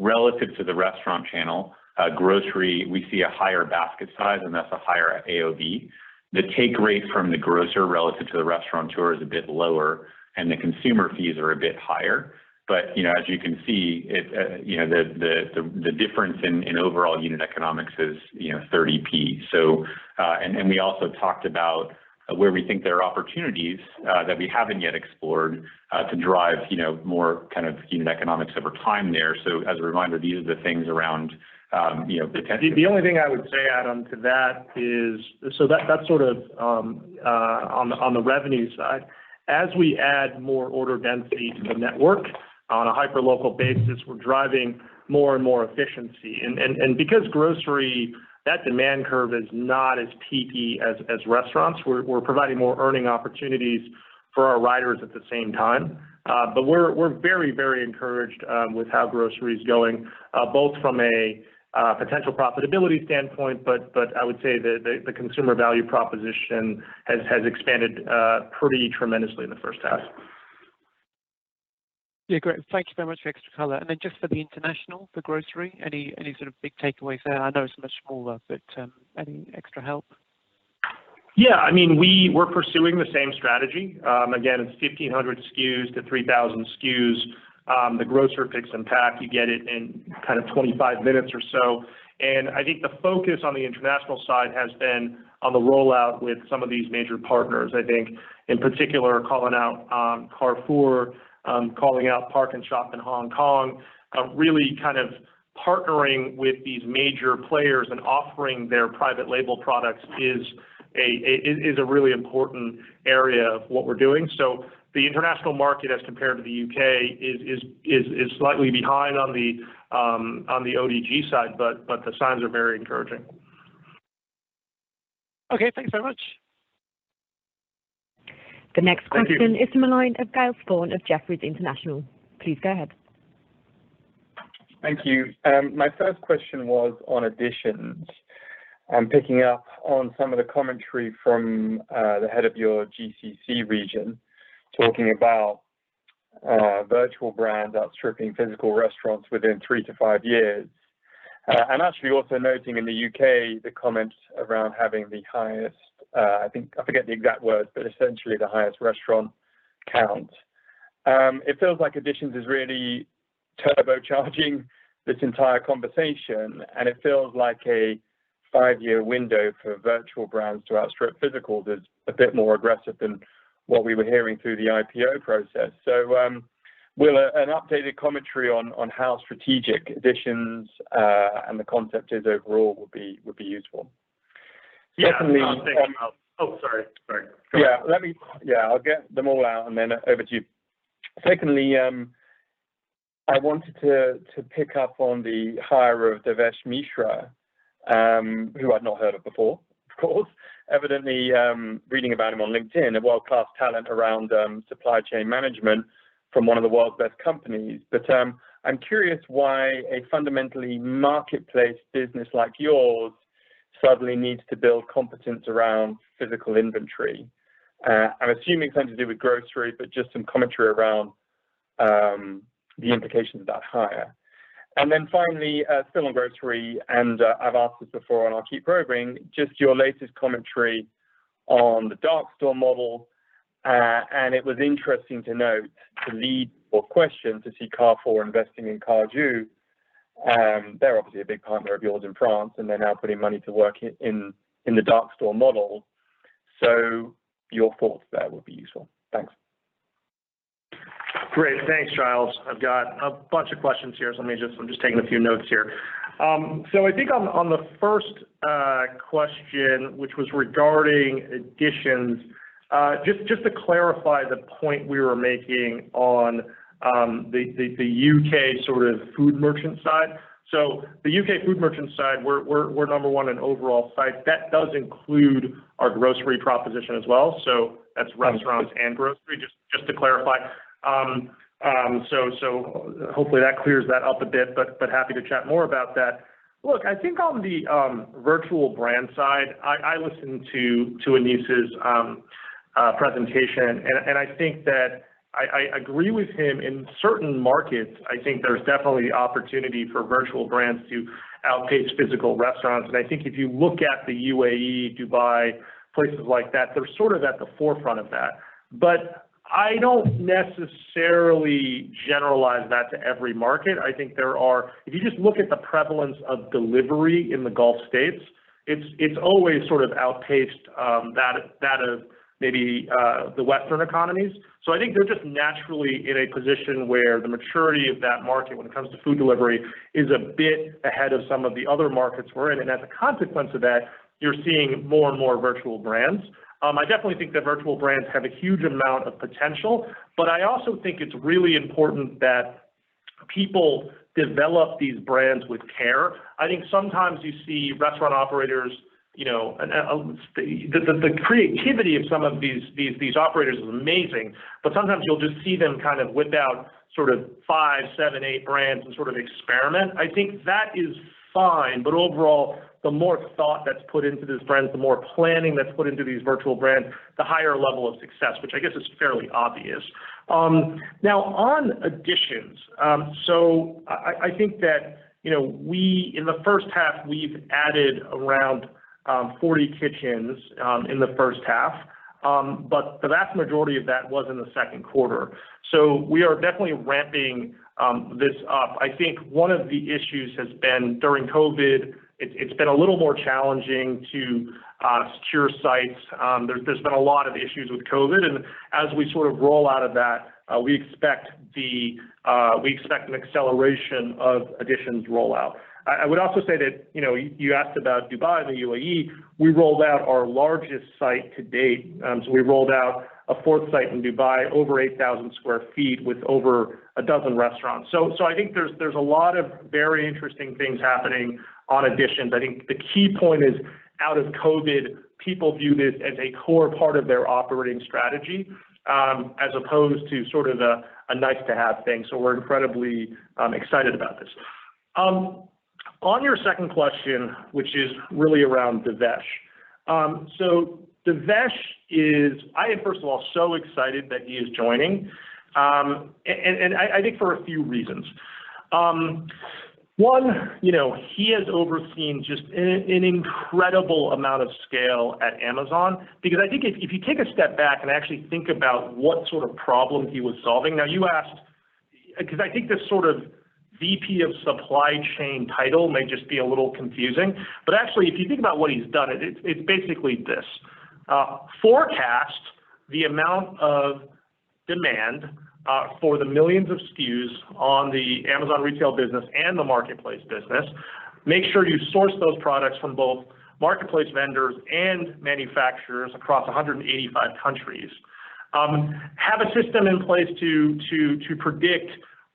Relative to the restaurant channel, grocery, we see a higher basket size, and that's a higher AOV. The take rate from the grocer relative to the restaurateur is a bit lower, and the consumer fees are a bit higher. As you can see, the difference in overall unit economics is 0.30. We also talked about where we think there are opportunities that we haven't yet explored to drive more kind of unit economics over time there. As a reminder, these are the things around potential. The only thing I would say, Adam, to that is, that's sort of on the revenue side. As we add more order density to the network on a hyper-local basis, we're driving more and more efficiency. Because grocery, that demand curve is not as peaky as restaurants, we're providing more earning opportunities for our riders at the same time. We're very encouraged with how grocery is going, both from a potential profitability standpoint, but I would say the consumer value proposition has expanded pretty tremendously in the first half. Yeah. Great. Thank you very much for the extra color. Just for the international, for grocery, any sort of big takeaways there? I know it's much smaller, but any extra help? I mean, we're pursuing the same strategy. Again, it's 1,500 SKUs to 3,000 SKUs. The grocer picks and packs, you get it in kind of 25 minutes or so. And I think the focus on the international side has been on the rollout with some of these major partners. I think, in particular, calling out Carrefour, calling out PARKnSHOP in Hong Kong. Really kind of partnering with these major players and offering their private label products is a really important area of what we're doing. The international market as compared to the U.K. is slightly behind on the ODG side, but the signs are very encouraging. Okay. Thanks very much. The next question- Thank you. is from the line of Giles Thorne of Jefferies International. Please go ahead. Thank you. My first question was on Editions. Picking up on some of the commentary from the head of your GCC region, talking about virtual brands outstripping physical restaurants within three to five years. Actually, also noting in the U.K. the comments around having the highest, I forget the exact words, but essentially the highest restaurant count. It feels like Editions is really turbocharging this entire conversation, and it feels like a five-year window for virtual brands to outstrip physical is a bit more aggressive than what we were hearing through the IPO process. Will, an updated commentary on how strategic Editions, and the concept overall would be useful. Yeah. Secondly Oh, sorry. Go on. Yeah. I'll get them all out and then over to you. Secondly, I wanted to pick up on the hire of Devesh Mishra, who I'd not heard of before, of course. Evidently, reading about him on LinkedIn, a world-class talent around supply chain management from one of the world's best companies. I'm curious why a fundamentally marketplace business like yours suddenly needs to build competence around physical inventory. I'm assuming something to do with grocery, but just some commentary around the implications of that hire. Finally, still on grocery, and I've asked this before, and I'll keep probing, just your latest commentary on the dark store model. It was interesting to note the lead or question to see Carrefour investing in Cajoo. They're obviously a big partner of yours in France, and they're now putting money to work in the dark store model. Your thoughts there would be useful. Thanks. Great. Thanks, Giles. I've got a bunch of questions here. I'm just taking a few notes here. I think on the first question, which was regarding Editions, just to clarify the point we were making on the U.K. sort of food merchant side. The U.K. food merchant side, we're number one in overall size. That does include our grocery proposition as well. That's restaurants and grocery, just to clarify. Hopefully that clears that up a bit, happy to chat more about that. Look, I think on the virtual brand side, I listened to Anis's presentation. I think that I agree with him. In certain markets, I think there's definitely opportunity for virtual brands to outpace physical restaurants. I think if you look at the UAE, Dubai, places like that, they're sort of at the forefront of that. I don't necessarily generalize that to every market. If you just look at the prevalence of delivery in the Gulf States, it's always sort of outpaced that of maybe the Western economies. I think they're just naturally in a position where the maturity of that market when it comes to food delivery is a bit ahead of some of the other markets we're in. As a consequence of that, you're seeing more and more virtual brands. I definitely think that virtual brands have a huge amount of potential, but I also think it's really important that people develop these brands with care. I think sometimes you see restaurant operators, the creativity of some of these operators is amazing. Sometimes you'll just see them kind of whip out sort of five, seven, eight brands and sort of experiment. I think that is fine, overall, the more thought that's put into these brands, the more planning that's put into these virtual brands, the higher level of success, which I guess is fairly obvious. On Editions, I think that in the first half, we've added around 40 kitchens in the first half. The vast majority of that was in the second quarter. We are definitely ramping this up. I think one of the issues has been during COVID, it's been a little more challenging to secure sites. There's been a lot of issues with COVID, as we sort of roll out of that, we expect an acceleration of Editions rollout. I would also say that, you asked about Dubai and the UAE, we rolled out our largest site to date. We rolled out a fourth site in Dubai, over 8,000 sq ft with over 12 restaurants. I think there's a lot of very interesting things happening on Editions. I think the key point is, out of COVID, people view this as a core part of their operating strategy, as opposed to sort of a nice to have thing. We're incredibly excited about this. On your second question, which is really around Devesh. Devesh is. I am first of all so excited that he is joining, and I think for a few reasons. One, he has overseen just an incredible amount of scale at Amazon, because I think if you take a step back and actually think about what sort of problem he was solving. Now you asked, because I think this sort of VP of Supply Chain title may just be a little confusing. Actually, if you think about what he's done, it's basically this: forecast the amount of demand for the millions of SKUs on the Amazon retail business and the marketplace business. Make sure you source those products from both marketplace vendors and manufacturers across 185 countries. Have a system in place to predict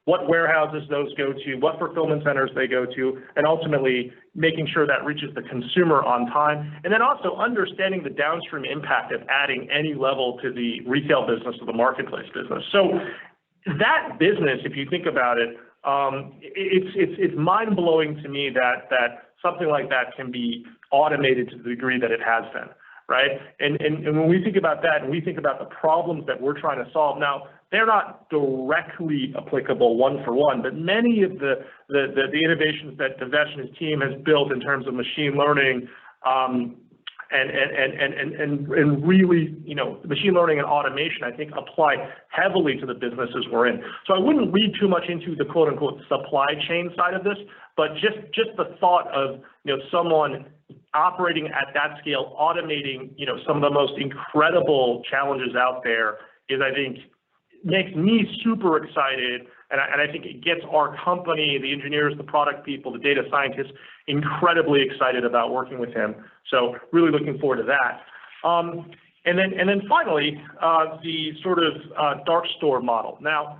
what warehouses those go to, what fulfillment centers they go to, and ultimately making sure that reaches the consumer on time. Then, also understanding the downstream impact of adding any level to the retail business or the marketplace business. That business, if you think about it's mind-blowing to me that something like that can be automated to the degree that it has been, right? When we think about that, and we think about the problems that we're trying to solve now, they're not directly applicable one for one. Many of the innovations that Devesh and his team have built in terms of machine learning and really machine learning and automation, I think apply heavily to the businesses we're in. I wouldn't read too much into the "supply chain" side of this. Just the thought of someone operating at that scale, automating some of the most incredible challenges out there is, I think, makes me super excited, and I think it gets our company, the engineers, the product people, the data scientists, incredibly excited about working with him. Really looking forward to that. Finally, the sort of dark store model. Now,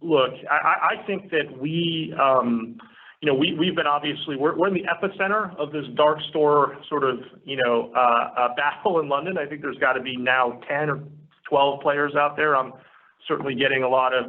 look, I think that we've been obviously we're in the epicenter of this dark store sort of battle in London. I think there's got to be now 10 or 12 players out there. I'm certainly getting a lot of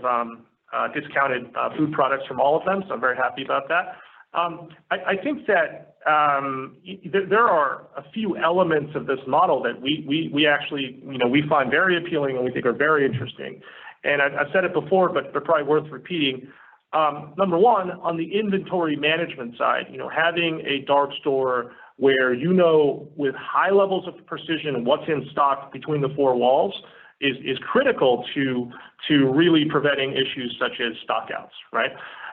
discounted food products from all of them, so I'm very happy about that. I think that there are a few elements of this model that we find very appealing and we think are very interesting. I've said it before, but they're probably worth repeating. Number one, on the inventory management side, having a dark store where you know with high levels of precision what's in stock between the four walls is critical to really preventing issues such as stockouts, right?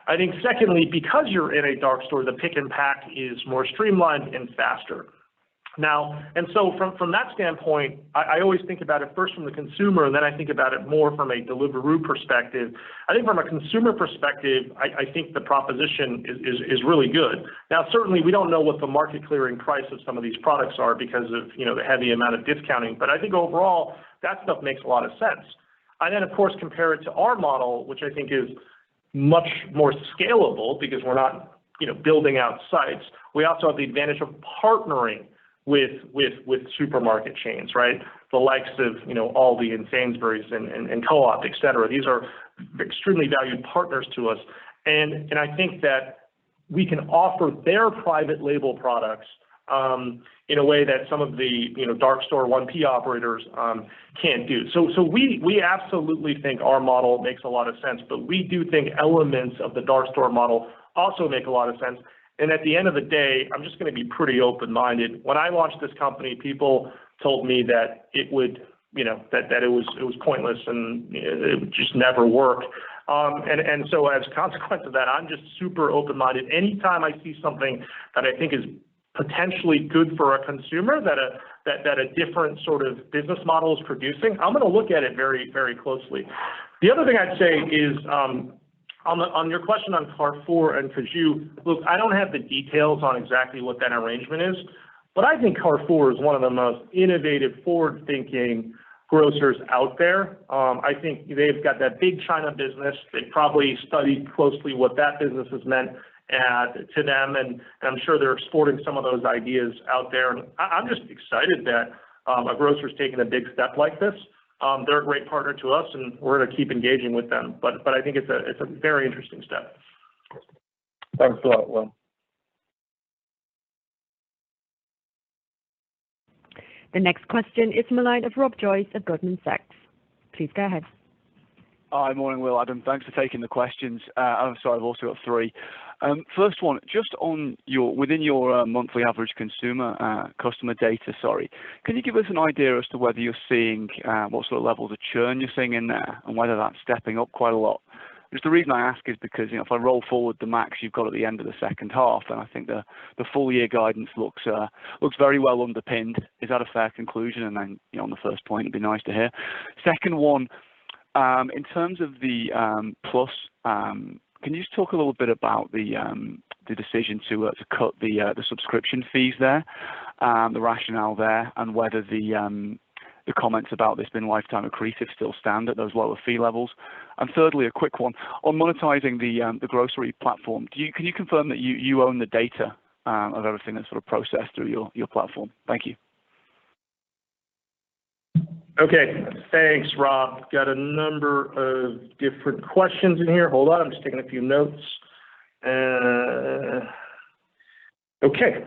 I think secondly, because you're in a dark store, the pick and pack is more streamlined and faster now. From that standpoint, I always think about it first from the consumer, and then I think about it more from a Deliveroo perspective. I think from a consumer perspective, I think the proposition is really good. Certainly, we don't know what the market clearing price of some of these products are because of the heavy amount of discounting. I think overall, that stuff makes a lot of sense. Of course, compare it to our model, which I think is much more scalable because we're not building out sites. We also have the advantage of partnering with supermarket chains, right? The likes of Aldi and Sainsbury's and Co-op, et cetera. These are extremely valued partners to us. I think that we can offer their private label products in a way that some of the dark store 1P operators can't do. We absolutely think our model makes a lot of sense. We do think elements of the dark store model also make a lot of sense. At the end of the day, I'm just going to be pretty open-minded. When I launched this company, people told me that it was pointless and it would just never work. As a consequence of that, I'm just super open-minded. Anytime I see something that I think is potentially good for a consumer, that a different sort of business model is producing, I'm going to look at it very closely. The other thing I'd say is on your question on Carrefour and Cajoo, look, I don't have the details on exactly what that arrangement is, but I think Carrefour is one of the most innovative, forward-thinking grocers out there. I think they've got that big China business. They probably studied closely what that business has meant to them, and I'm sure they're exporting some of those ideas out there. I'm just excited that a grocer's taking a big step like this. They're a great partner to us, and we're going to keep engaging with them. I think it's a very interesting step. Thanks a lot, Will. The next question is the line of Rob Joyce at Goldman Sachs. Please go ahead. Hi. Morning, Will, Adam. Thanks for taking the questions. I'm sorry, I've also got three. First one, just within your monthly average customer data, can you give us an idea as to what sort of levels of churn, you're seeing in there and whether that's stepping up quite a lot? The reason I ask is because, if I roll forward the MACs you've got at the end of the second half, then I think the full-year guidance looks very well underpinned. Is that a fair conclusion? On the first point, it'd be nice to hear. Second one, in terms of the Plus, can you just talk a little bit about the decision to cut the subscription fees there, the rationale there, and whether the comments about this being lifetime accretive still stand at those lower fee levels? Thirdly, a quick one. On monetizing the grocery platform, can you confirm that you own the data of everything that's sort of processed through your platform? Thank you. Okay. Thanks, Rob. Got a number of different questions in here. Hold on. I'm just taking a few notes. Okay.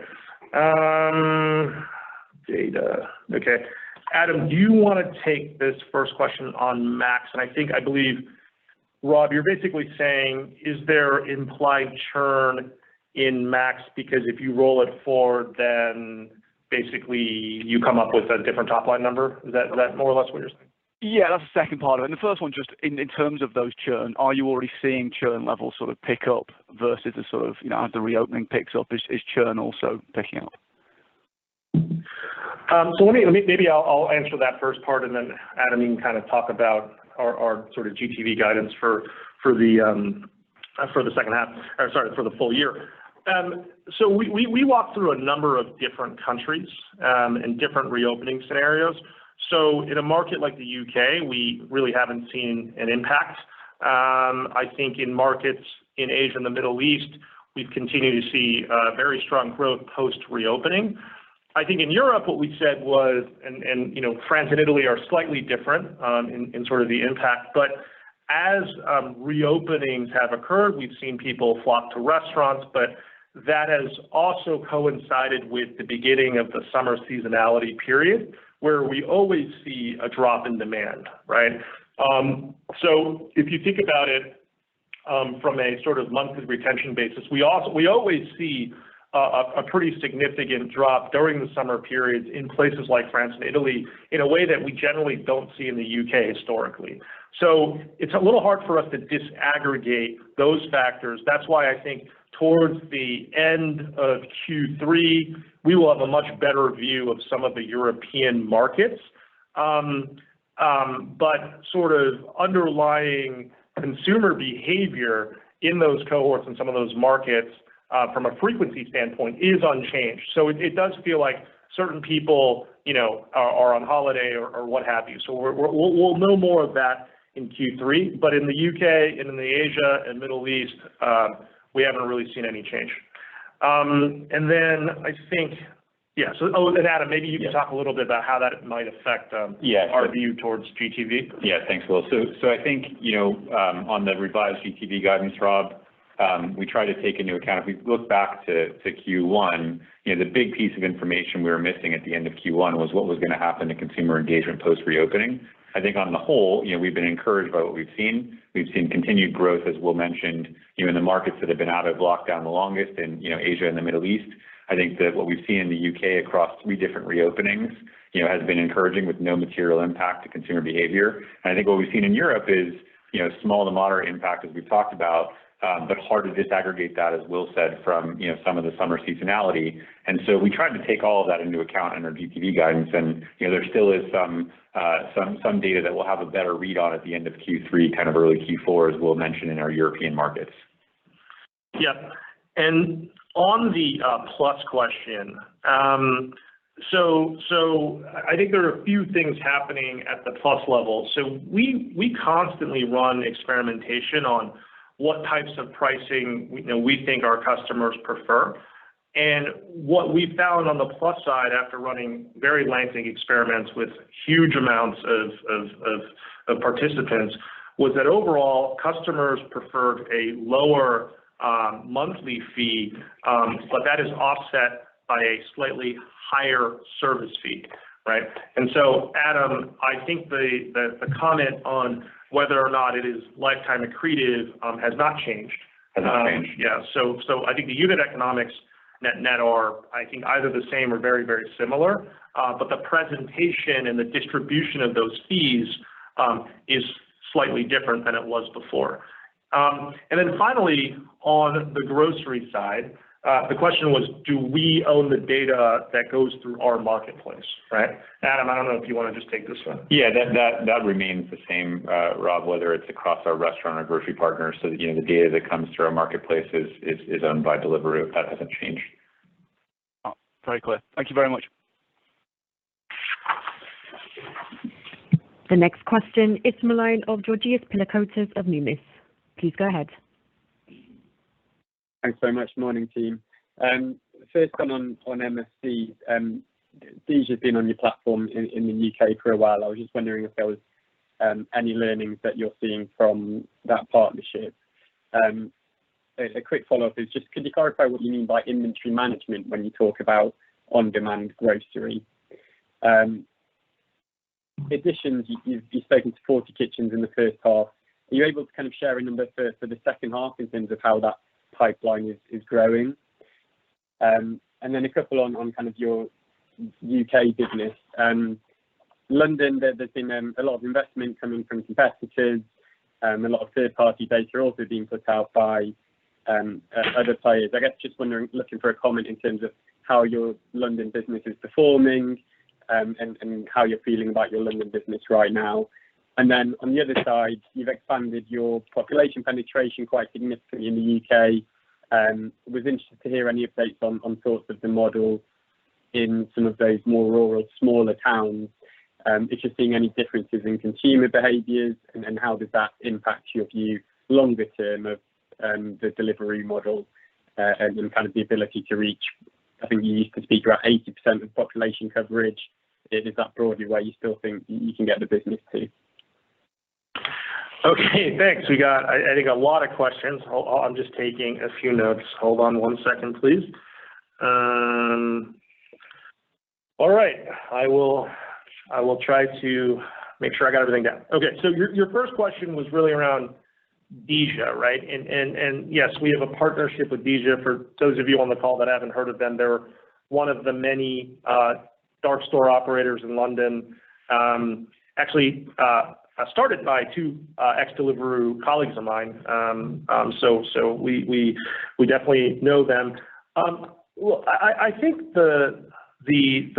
Data. Okay. Adam, do you want to take this first question on MACs? I think, I believe, Rob, you're basically saying, is there implied churn in MACs? Because if you roll it forward, then basically you come up with a different top-line number. Is that more or less what you're saying? Yeah, that's the second part of it. The first one, just in terms of those churn, are you already seeing churn levels sort of pick up versus as the reopening picks up? Is churn also picking up? Maybe I'll answer that first part, and then Adam, you can talk about our sort of GTV guidance for the full year. In a market like the U.K., we really haven't seen an impact. I think in markets in Asia and the Middle East, we've continued to see very strong growth post-reopening. I think in Europe, what we said was, and France and Italy are slightly different in sort of the impact. As reopenings have occurred, we've seen people flock to restaurants, but that has also coincided with the beginning of the summer seasonality period, where we always see a drop in demand, right? If you think about it from a sort of monthly retention basis, we always see a pretty significant drop during the summer periods in places like France and Italy in a way that we generally don't see in the U.K. historically. It's a little hard for us to disaggregate those factors. That's why I think towards the end of Q3, we will have a much better view of some of the European markets. Sort of underlying consumer behavior in those cohorts in some of those markets from a frequency standpoint is unchanged. It does feel like certain people are on holiday or what have you. We'll know more of that in Q3. In the U.K. and in Asia and Middle East, we haven't really seen any change. I think, yeah, Adam, maybe you can talk a little bit about how that might affect. Yeah our view towards GTV. Yeah, thanks, Will. I think, on the revised GTV guidance, Rob, we try to take into account, if we look back to Q1, the big piece of information we were missing at the end of Q1 was what was going to happen to consumer engagement post-reopening. I think on the whole, we've been encouraged by what we've seen. We've seen continued growth, as Will mentioned, in the markets that have been out of lockdown the longest in Asia and the Middle East. I think what we've seen in the U.K. across three different reopenings has been encouraging with no material impact to consumer behavior. I think what we've seen in Europe is small to moderate impact, as we've talked about. Hard to disaggregate that, as Will said, from some of the summer seasonality. We tried to take all of that into account in our GTV guidance and there still is some data that we'll have a better read on at the end of Q3, kind of early Q4, as Will mentioned, in our European markets. Yeah. On the Plus question, so I think there are a few things happening at the Plus level. We constantly run experimentation on what types of pricing we think our customers prefer. What we found on the Plus side after running very lengthy experiments with huge amounts of participants was that overall, customers preferred a lower monthly fee, but that is offset by a slightly higher service fee. Right? So, Adam, I think the comment on whether or not it is lifetime accretive has not changed. Has not changed. Yeah. I think the unit economics net are, I think, either the same or very similar. The presentation and the distribution of those fees is slightly different than it was before. Then finally, on the grocery side, the question was, do we own the data that goes through our marketplace, right? Adam, I don't know if you want to just take this one. Yeah, that remains the same, Rob, whether it's across our restaurant or grocery partners. The data that comes through our marketplace is owned by Deliveroo. That hasn't changed. Oh, very clear. Thank you very much. The next question is from the line of Georgios Pilakoutas of Numis. Please go ahead. Thanks so much. Morning, team. First one on MFC. Dija's been on your platform in the U.K. for a while. I was just wondering if there was any learnings that you're seeing from that partnership. A quick follow-up is just could you clarify what you mean by inventory management when you talk about on-demand grocery? Editions, you've spoken to 40 kitchens in the first half. Are you able to kind of share a number for the second half in terms of how that pipeline is growing? A couple on your U.K. business. London, there's been a lot of investment coming from competitors. A lot of third-party data also being put out by other players. I guess just wondering, looking for a comment in terms of how your London business is performing, and how you're feeling about your London business right now? On the other side, you've expanded your population penetration quite significantly in the U.K. Was interested to hear any updates on thoughts of the model in some of those more rural, smaller towns. If you're seeing any differences in consumer behaviors, how does that impact your view longer term of the delivery model, and kind of the ability to reach, I think you used to speak about 80% of population coverage? Is that broadly where you still think you can get the business to? Okay, thanks. We got I think a lot of questions. Hold on. I'm just taking a few notes. Hold on one second, please. All right. I will try to make sure I got everything down. Okay, your first question was really around Dija, right? Yes, we have a partnership with Dija. For those of you on the call that haven't heard of them, they're one of the many dark store operators in London. Actually, started by two ex-Deliveroo colleagues of mine. We definitely know them. I think the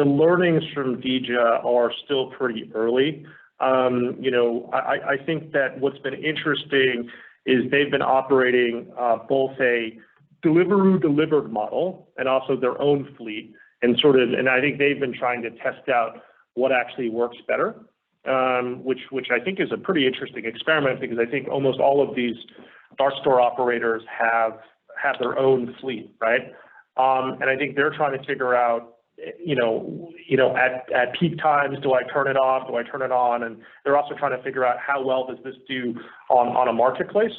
learnings from Dija are still pretty early. I think that what's been interesting is they've been operating both a Deliveroo-delivered model and also their own fleet. I think they've been trying to test out what actually works better. Which I think is a pretty interesting experiment because I think almost all of these dark store operators have their own fleet, right? I think they're trying to figure out, at peak times, do I turn it off? Do I turn it on? They're also trying to figure out how well does this do on a marketplace.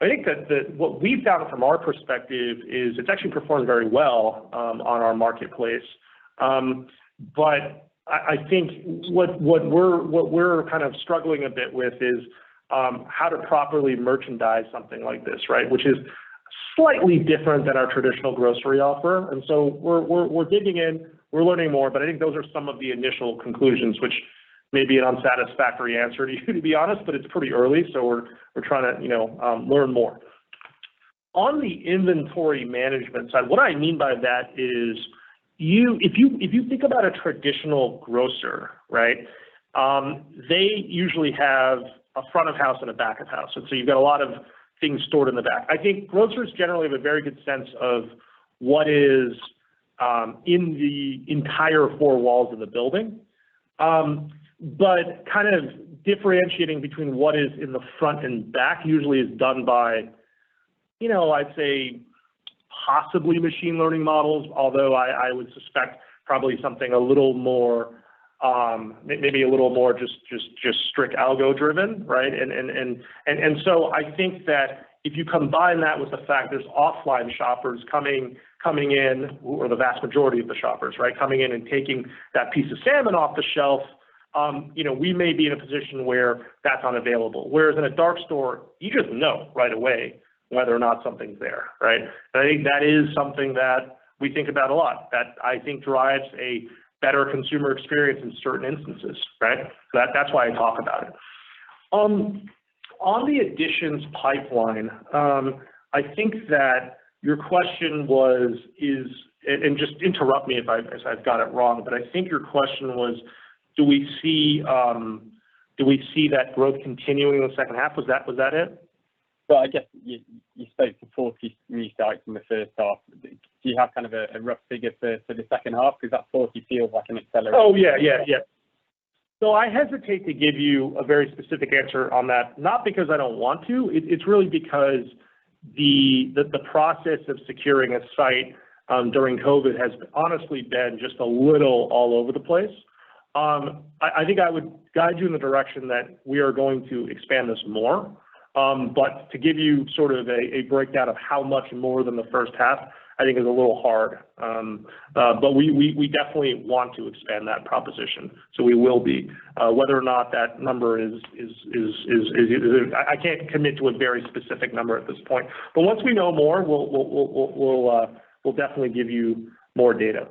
I think that what we've found from our perspective is it's actually performed very well on our marketplace. I think what we're kind of struggling a bit with is how to properly merchandise something like this, right, which is slightly different than our traditional grocery offer. We're digging in, we're learning more, but I think those are some of the initial conclusions, which may be an unsatisfactory answer to you, to be honest, but it's pretty early. We're trying to learn more. On the inventory management side, what I mean by that is if you think about a traditional grocer, right? They usually have a front of house and a back of house. You've got a lot of things stored in the back. I think grocers generally have a very good sense of what is in the entire four walls of the building. Kind of differentiating between what is in the front and back usually is done by, I'd say possibly machine learning models. Although I would suspect probably something a little more, maybe a little more just strict algo-driven, right? I think that if you combine that with the fact there's offline shoppers coming in, who are the vast majority of the shoppers, right, coming in and taking that piece of salmon off the shelf. We may be in a position where that's unavailable. Whereas in a dark store, you just know right away whether or not something's there, right? I think that is something that we think about a lot, that I think drives a better consumer experience in certain instances, right? That's why I talk about it. On the Editions pipeline, I think that your question was, just interrupt me if I've got it wrong, I think your question was, do we see that growth continuing in the second half? Was that it? Well, I guess you spoke to 40 new sites in H1. Do you have kind of a rough figure for H2? That 40 feels like an acceleration. Oh, yeah. I hesitate to give you a very specific answer on that. Not because I don't want to, it's really because the process of securing a site during COVID has honestly been just a little all over the place. I think I would guide you in the direction that we are going to expand this more. To give you a breakdown of how much more than the first half, I think, is a little hard. We definitely want to expand that proposition, so we will be. Whether or not that number is, I can't commit to a very specific number at this point, but once we know more, we'll definitely give you more data.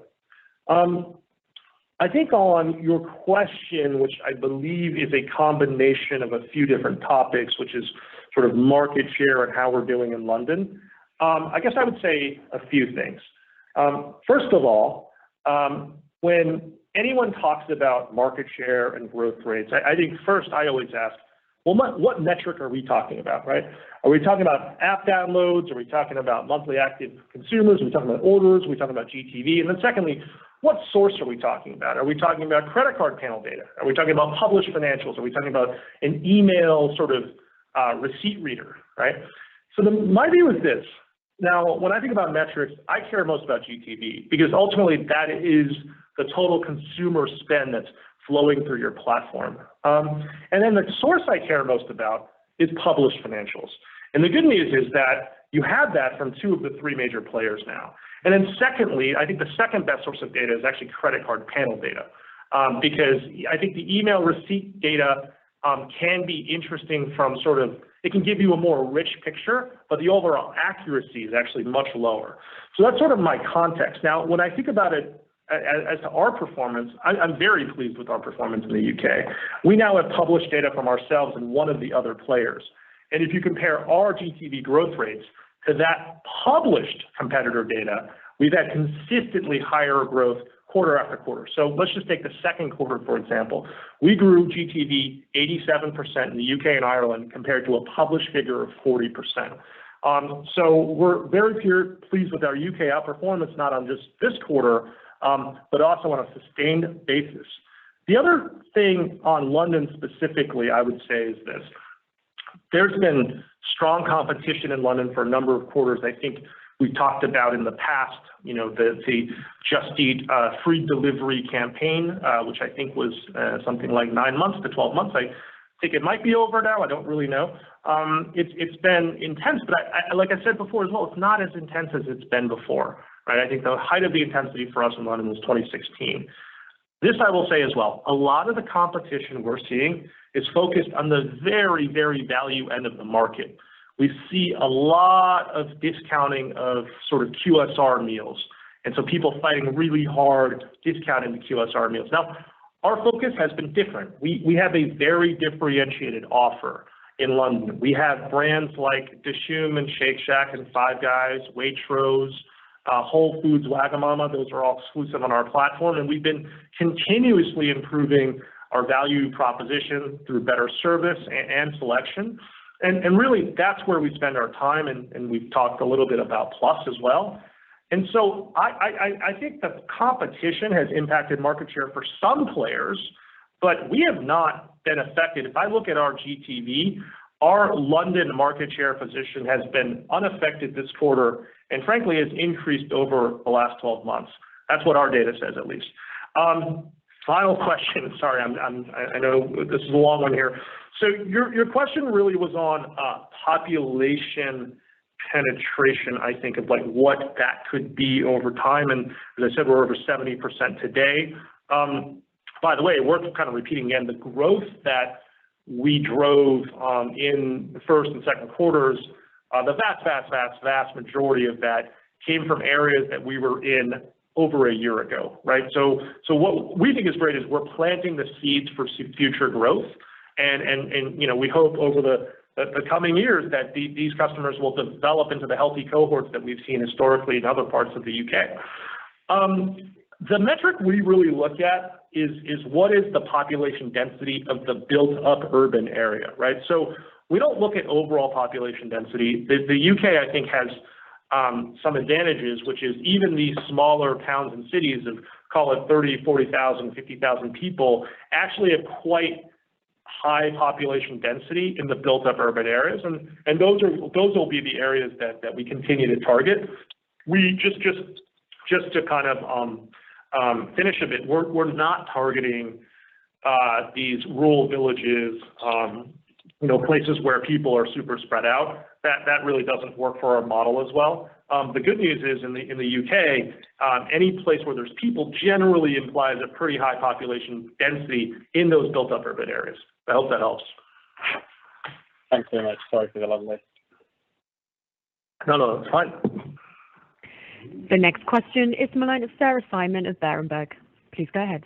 I think on your question, which I believe is a combination of a few different topics, which is sort of market share and how we're doing in London. I guess I would say a few things. First of all, when anyone talks about market share and growth rates, I think first I always ask, "Well, what metric are we talking about?" Right? Are we talking about app downloads? Are we talking about monthly active consumers? Are we talking about orders? Are we talking about GTV? Then secondly, what source are we talking about? Are we talking about credit card panel data? Are we talking about published financials? Are we talking about an email sort of receipt reader? Right? My view is this, now when I think about metrics, I care most about GTV, because ultimately that is the total consumer spend that's flowing through your platform. Then the source I care most about is published financials. The good news is that you have that from two of the three major players now. Secondly, I think the second-best source of data is actually credit card panel data. Because I think the email receipt data can be interesting from sort of, it can give you a more rich picture, but the overall accuracy is actually much lower. That's sort of my context. Now, when I think about it as to our performance, I'm very pleased with our performance in the U.K. We now have published data from ourselves and one of the other players. If you compare our GTV growth rates to that published competitor data, we've had consistently higher growth quarter after quarter. Let's just take the second quarter, for example. We grew GTV 87% in the U.K. and Ireland compared to a published figure of 40%. We're very pleased with our U.K. outperformance, not on just this quarter, but also on a sustained basis. The other thing on London specifically, I would say, is this. There's been strong competition in London for a number of quarters. I think we've talked about in the past, the Just Eat free delivery campaign, which I think was something like nine months to 12 months. I think it might be over now. I don't really know. It's been intense, but like I said before as well, it's not as intense as it's been before. Right? I think the height of the intensity for us in London was 2016. This I will say as well, a lot of the competition we're seeing is focused on the very value end of the market. We see a lot of discounting of QSR meals, and so people fighting really hard, discounting the QSR meals. Now, our focus has been different. We have a very differentiated offer in London. We have brands like Dishoom and Shake Shack and Five Guys, Waitrose, Whole Foods, Wagamama. Those are all exclusive on our platform. We've been continuously improving our value proposition through better service and selection. Really, that's where we spend our time, and we've talked a little bit about Plus as well. I think the competition has impacted market share for some players, but we have not been affected. If I look at our GTV, our London market share position has been unaffected this quarter, and frankly, has increased over the last 12 months. That's what our data says, at least. Final question. Sorry. I know this is a long one here. Your question really was on population penetration, I think, of what that could be over time. As I said, we're over 70% today. By the way, worth kind of repeating again, the growth that we drove in the first and second quarters, the vast majority of that came from areas that we were in over a year ago. Right? What we think is great is we're planting the seeds for future growth, and we hope over the coming years that these customers will develop into the healthy cohorts that we've seen historically in other parts of the U.K. The metric we really look at is what is the population density of the built-up urban area, right? We don't look at overall population density. The U.K., I think, has some advantages, which is even these smaller towns and cities of call it 30,000, 40,000, 50,000 people, actually have quite high population density in the built-up urban areas. Those will be the areas that we continue to target. Just to kind of finish a bit, we're not targeting these rural villages, places where people are super spread out. That really doesn't work for our model as well. The good news is, in the U.K., any place where there's people generally implies a pretty high population density in those built-up urban areas. I hope that helps. Thanks very much. Sorry for the long list. No, it's fine. The next question is the line of Sarah Simon of Berenberg. Please go ahead.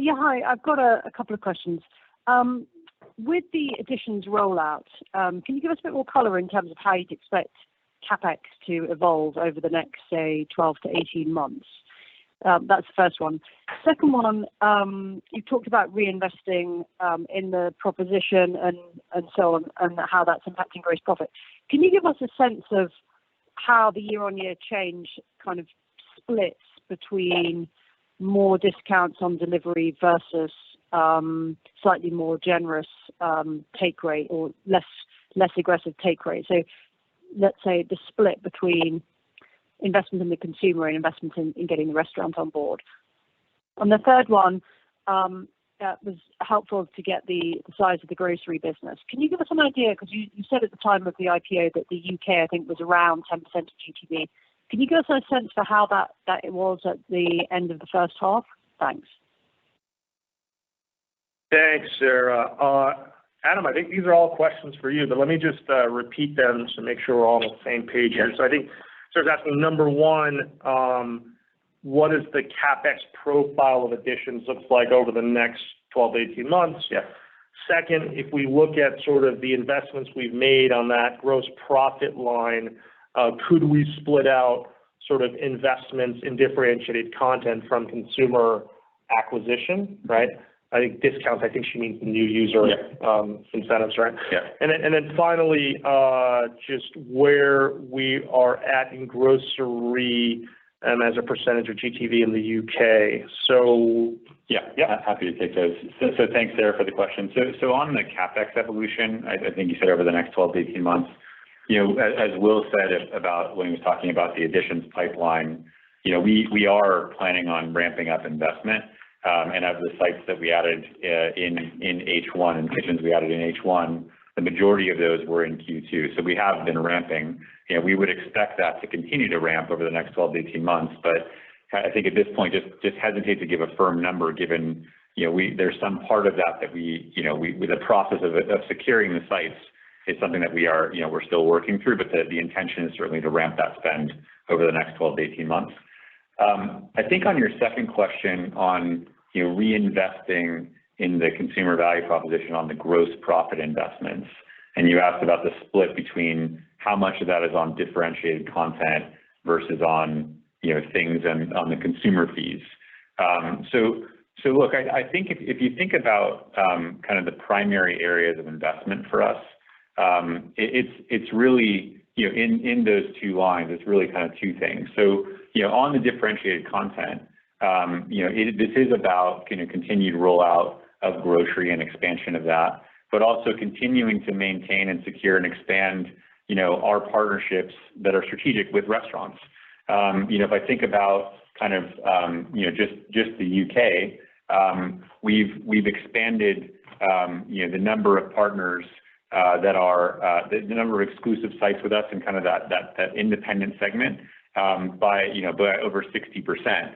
Yeah. Hi. I've got a couple of questions. With the Editions rollout, can you give us a bit more color in terms of how you'd expect CapEx to evolve over the next, say, 12-18 months? That's the first one. Second one, you talked about reinvesting in the proposition and so on, and how that's impacting gross profit. Can you give us a sense of how the year-on-year change splits between more discounts on delivery versus slightly more generous take rate or less aggressive take rate. Let's say the split between investment in the consumer and investment in getting the restaurants on board. The third one, that was helpful to get the size of the grocery business. Can you give us an idea, because you said at the time of the IPO that the U.K., I think, was around 10% of GTV. Can you give us a sense for how that was at the end of the first half? Thanks. Thanks, Sarah. Adam, I think these are all questions for you, but let me just repeat them to make sure we're all on the same page here. Yeah. I think Sarah's asking, number one, what is the CapEx profile of Editions looks like over the next 12-18 months? Yeah. Second, if we look at the investments we've made on that gross profit line, could we split out investments in differentiated content from consumer acquisition, right? I think discounts, she means new. Yeah Incentives, right? Yeah. Finally, just where we are at in grocery as a percentage of GTV in the U.K. Yeah. Yeah. Happy to take those. Thanks, Sarah, for the question. On the CapEx evolution, I think you said over the next 12-18 months. As Will said, when he was talking about the Editions pipeline, we are planning on ramping up investment. Of the sites that we added in H1 and Editions we added in H1, the majority of those were in Q2. We have been ramping, and we would expect that to continue to ramp over the next 12-18 months. I think at this point, just hesitate to give a firm number given there's some part of that with the process of securing the sites is something that we're still working through. The intention is certainly to ramp that spend over the next 12-18 months. I think on your second question on reinvesting in the consumer value proposition on the gross profit investments, and you asked about the split between how much of that is on differentiated content versus on things and on the consumer fees. Look, I think if you think about the primary areas of investment for us, in those two lines, it's really two things. On the differentiated content, this is about continued rollout of grocery and expansion of that but also continuing to maintain and secure and expand our partnerships that are strategic with restaurants. If I think about just the U.K., we've expanded the number of exclusive sites with us and that independent segment by over 60%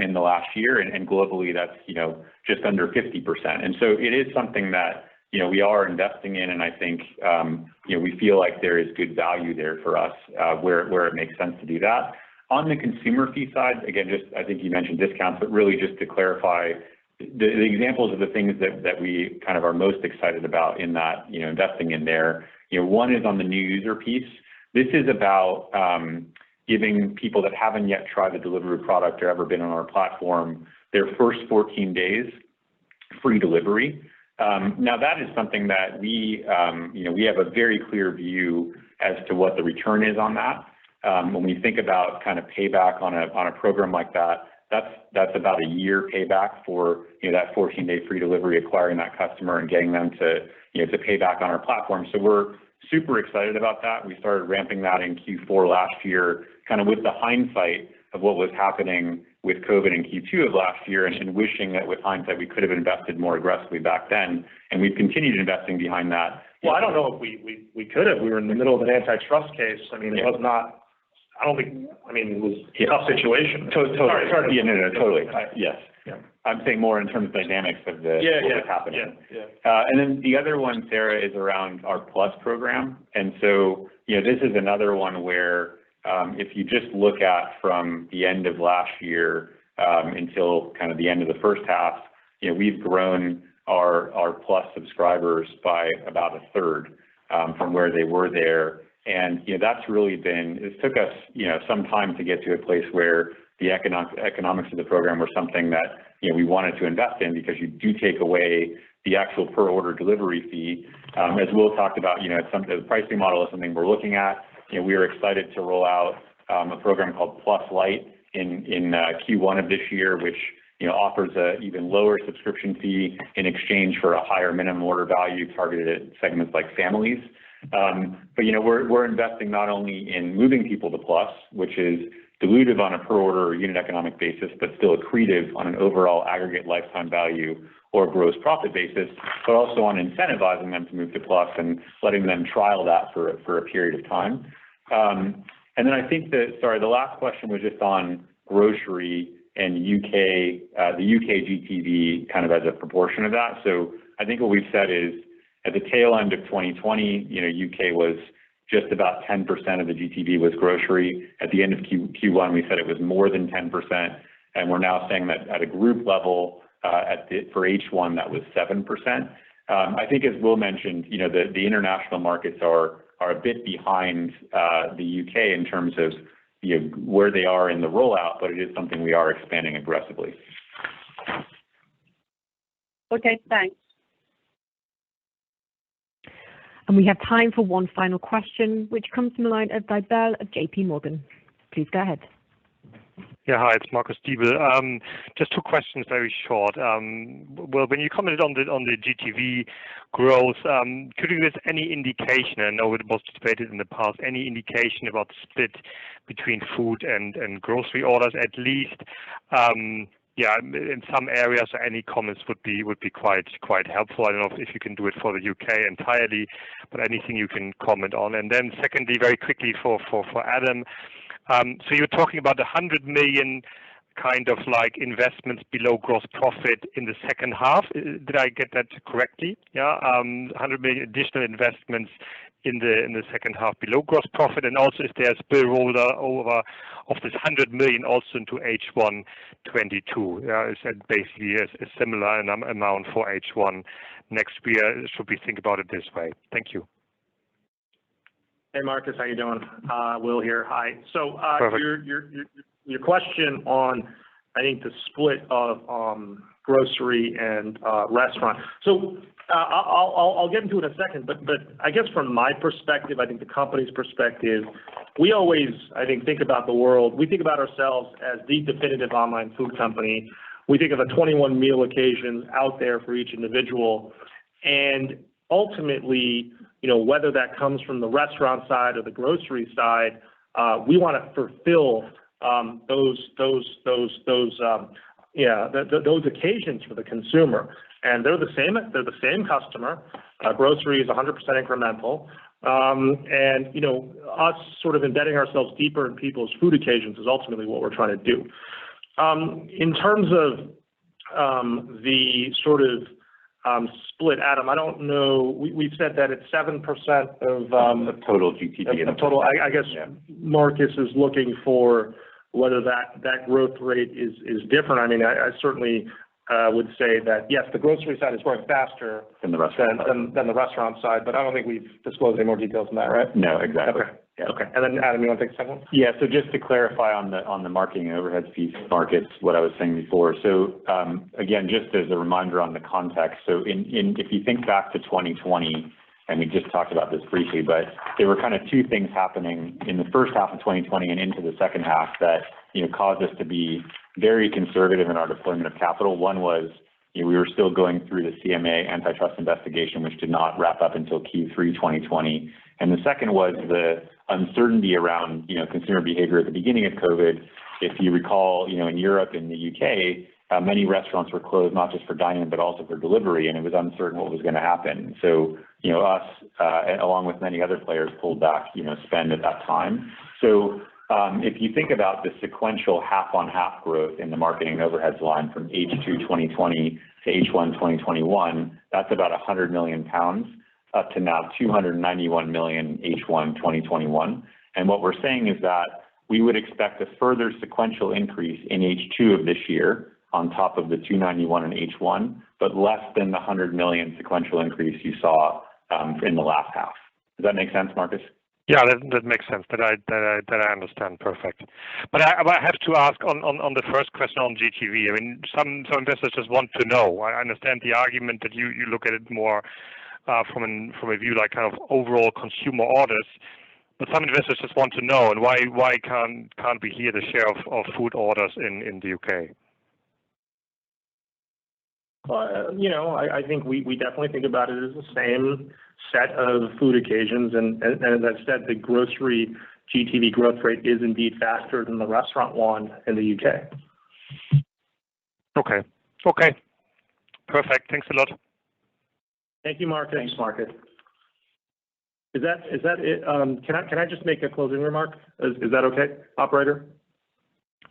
in the last year. Globally, that's just under 50%. It is something that we are investing in, and I think we feel like there is good value there for us, where it makes sense to do that. On the consumer fee side, again, I think you mentioned discounts, but really just to clarify, the examples of the things that we are most excited about investing in there, 1 is on the new user piece. This is about giving people that haven't yet tried the Deliveroo product or ever been on our platform, their first 14 days free delivery. That is something that we have a very clear view as to what the return is on that. When we think about payback on a program like that's about a year payback for that 14-day free delivery, acquiring that customer and getting them to pay back on our platform. We're super excited about that. We started ramping that in Q4 last year, with the hindsight of what was happening with COVID in Q2 of last year, and wishing that with hindsight, we could've invested more aggressively back then. We've continued investing behind that. Well, I don't know if we could've. We were in the middle of an antitrust case. Yeah. It was a tough situation. Totally. Sorry to cut. Yeah, no, totally. Sorry. Yes. Yeah. I'm saying more in terms of dynamics of the- Yeah -what was happening. Yeah. The other one, Sarah, is around our Plus program. This is another one where, if you just look at from the end of last year, until the end of the H1, we've grown our Plus subscribers by about a third, from where they were there. It took us some time to get to a place where the economics of the program were something that we wanted to invest in because you do take away the actual per order delivery fee. As Will talked about, the pricing model is something we're looking at. We are excited to roll out a program called Plus Lite in Q1 of this year, which offers an even lower subscription fee in exchange for a higher minimum order value targeted at segments like families. We're investing not only in moving people to Plus, which is dilutive on a per order or unit economic basis, but still accretive on an overall aggregate lifetime value or a gross profit basis, but also on incentivizing them to move to Plus and letting them trial that for a period of time. Then I think the, sorry, the last question was just on grocery and the U.K. GTV as a proportion of that. I think what we've said is, at the tail end of 2020, U.K. was just about 10% of the GTV was grocery. At the end of Q1, we said it was more than 10%, and we're now saying that at a group level, for H1, that was 7%. I think as Will mentioned, the international markets are a bit behind the U.K. in terms of where they are in the rollout, but it is something we are expanding aggressively. Okay, thanks. We have time for one final question, which comes from the line of Diebel at JPMorgan. Please go ahead. Yeah. Hi, it's Marcus Diebel. Just two questions, very short. Will, when you commented on the GTV growth, could you give us any indication, I know it was debated in the past, any indication about the split between food and grocery orders at least? Yeah, in some areas, any comments would be quite helpful. I don't know if you can do it for the U.K. entirely, but anything you can comment on. Then secondly, very quickly for Adam. You're talking about 100 million kind of investments below gross profit in the second half. Did I get that correctly? Yeah. 100 million additional investments in the second half below gross profit, and also if there's spillover of this 100 million also into H1 2022. Is that basically a similar amount for H1 next year? Should we think about it this way? Thank you. Hey, Marcus. How you doing? Will here. Hi. Perfect. Your question on, I think the split of grocery and restaurant. I'll get into it in a second, but I guess from my perspective, I think the company's perspective, we always, I think about the world, we think about ourselves as the definitive online food company. We think of a 21-meal occasion out there for each individual. Ultimately, whether that comes from the restaurant side or the grocery side, we want to fulfill those occasions for the consumer. They're the same customer. Grocery is 100% incremental. Us sort of embedding ourselves deeper in people's food occasions is ultimately what we're trying to do. In terms of the sort of split, Adam, I don't know, we've said that it's 7% of- Of total GTV -of total. I guess Marcus is looking for whether that growth rate is different. I certainly would say that, yes, the grocery side is growing faster- Than the restaurant side. -than the restaurant side, but I don't think we've disclosed any more details than that, right? No, exactly. Okay. Adam, you want to take the second one? Yeah, just to clarify on the marketing overhead fees, Marcus, what I was saying before. Again, just as a reminder on the context. If you think back to 2020, and we just talked about this briefly, but there were kind of two things happening in the first half of 2020 and into the second half that caused us to be very conservative in our deployment of capital. One was we were still going through the CMA antitrust investigation, which did not wrap up until Q3 2020. The second was the uncertainty around consumer behavior at the beginning of COVID. If you recall, in Europe and the U.K., many restaurants were closed, not just for dining, but also for delivery, and it was uncertain what was going to happen. Us, along with many other players, pulled back spend at that time. If you think about the sequential half-on-half growth in the marketing overhead line from H2 2020 to H1 2021, that's about 100 million pounds up to now 291 million H1 2021. What we're saying is that we would expect a further sequential increase in H2 of this year on top of the 291 million in H1, but less than the 100 million sequential increase you saw in the last half. Does that make sense, Marcus? Yeah, that makes sense. That I understand perfectly. I have to ask on the first question on GTV, some investors just want to know. I understand the argument that you look at it more from a view like overall consumer orders, but some investors just want to know, and why can't we hear the share of food orders in the U.K.? I think we definitely think about it as the same set of food occasions, and as I've said, the grocery GTV growth rate is indeed faster than the restaurant one in the U.K. Okay. Perfect. Thanks a lot. Thank you, Marcus. Thanks, Marcus. Is that it? Can I just make a closing remark? Is that okay, operator?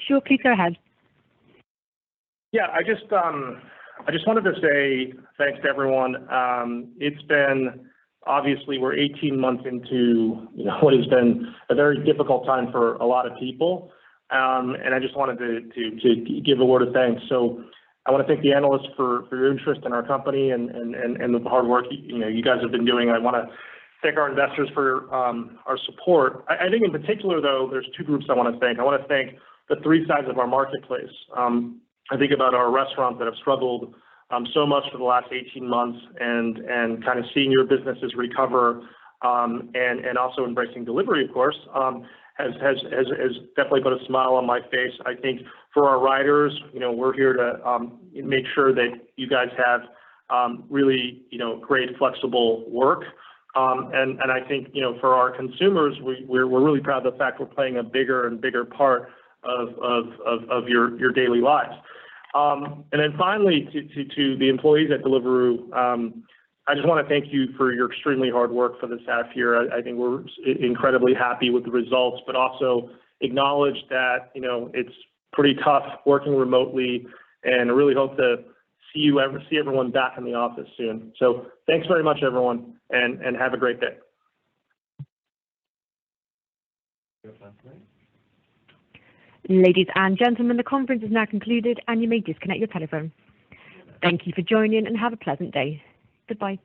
Sure, please go ahead. Yeah. I just wanted to say thanks to everyone. Obviously, we're 18 months into what has been a very difficult time for a lot of people, and I just wanted to give a word of thanks. I want to thank the analysts for your interest in our company and the hard work you guys have been doing. I want to thank our investors for our support. I think in particular, though, there's two groups I want to thank. I want to thank the three sides of our marketplace. I think about our restaurants that have struggled so much for the last 18 months, and kind of seeing your businesses recover, and also embracing delivery, of course, has definitely put a smile on my face. I think for our riders, we're here to make sure that you guys have really great, flexible work. I think for our consumers, we're really proud of the fact we're playing a bigger and bigger part of your daily lives. Finally, to the employees at Deliveroo, I just want to thank you for your extremely hard work for this half year. I think we're incredibly happy with the results, but also acknowledge that it's pretty tough working remotely, and I really hope to see everyone back in the office soon. Thanks very much, everyone, and have a great day. Ladies and gentlemen, the conference is now concluded, and you may disconnect your telephone. Thank you for joining and have a pleasant day. Goodbye.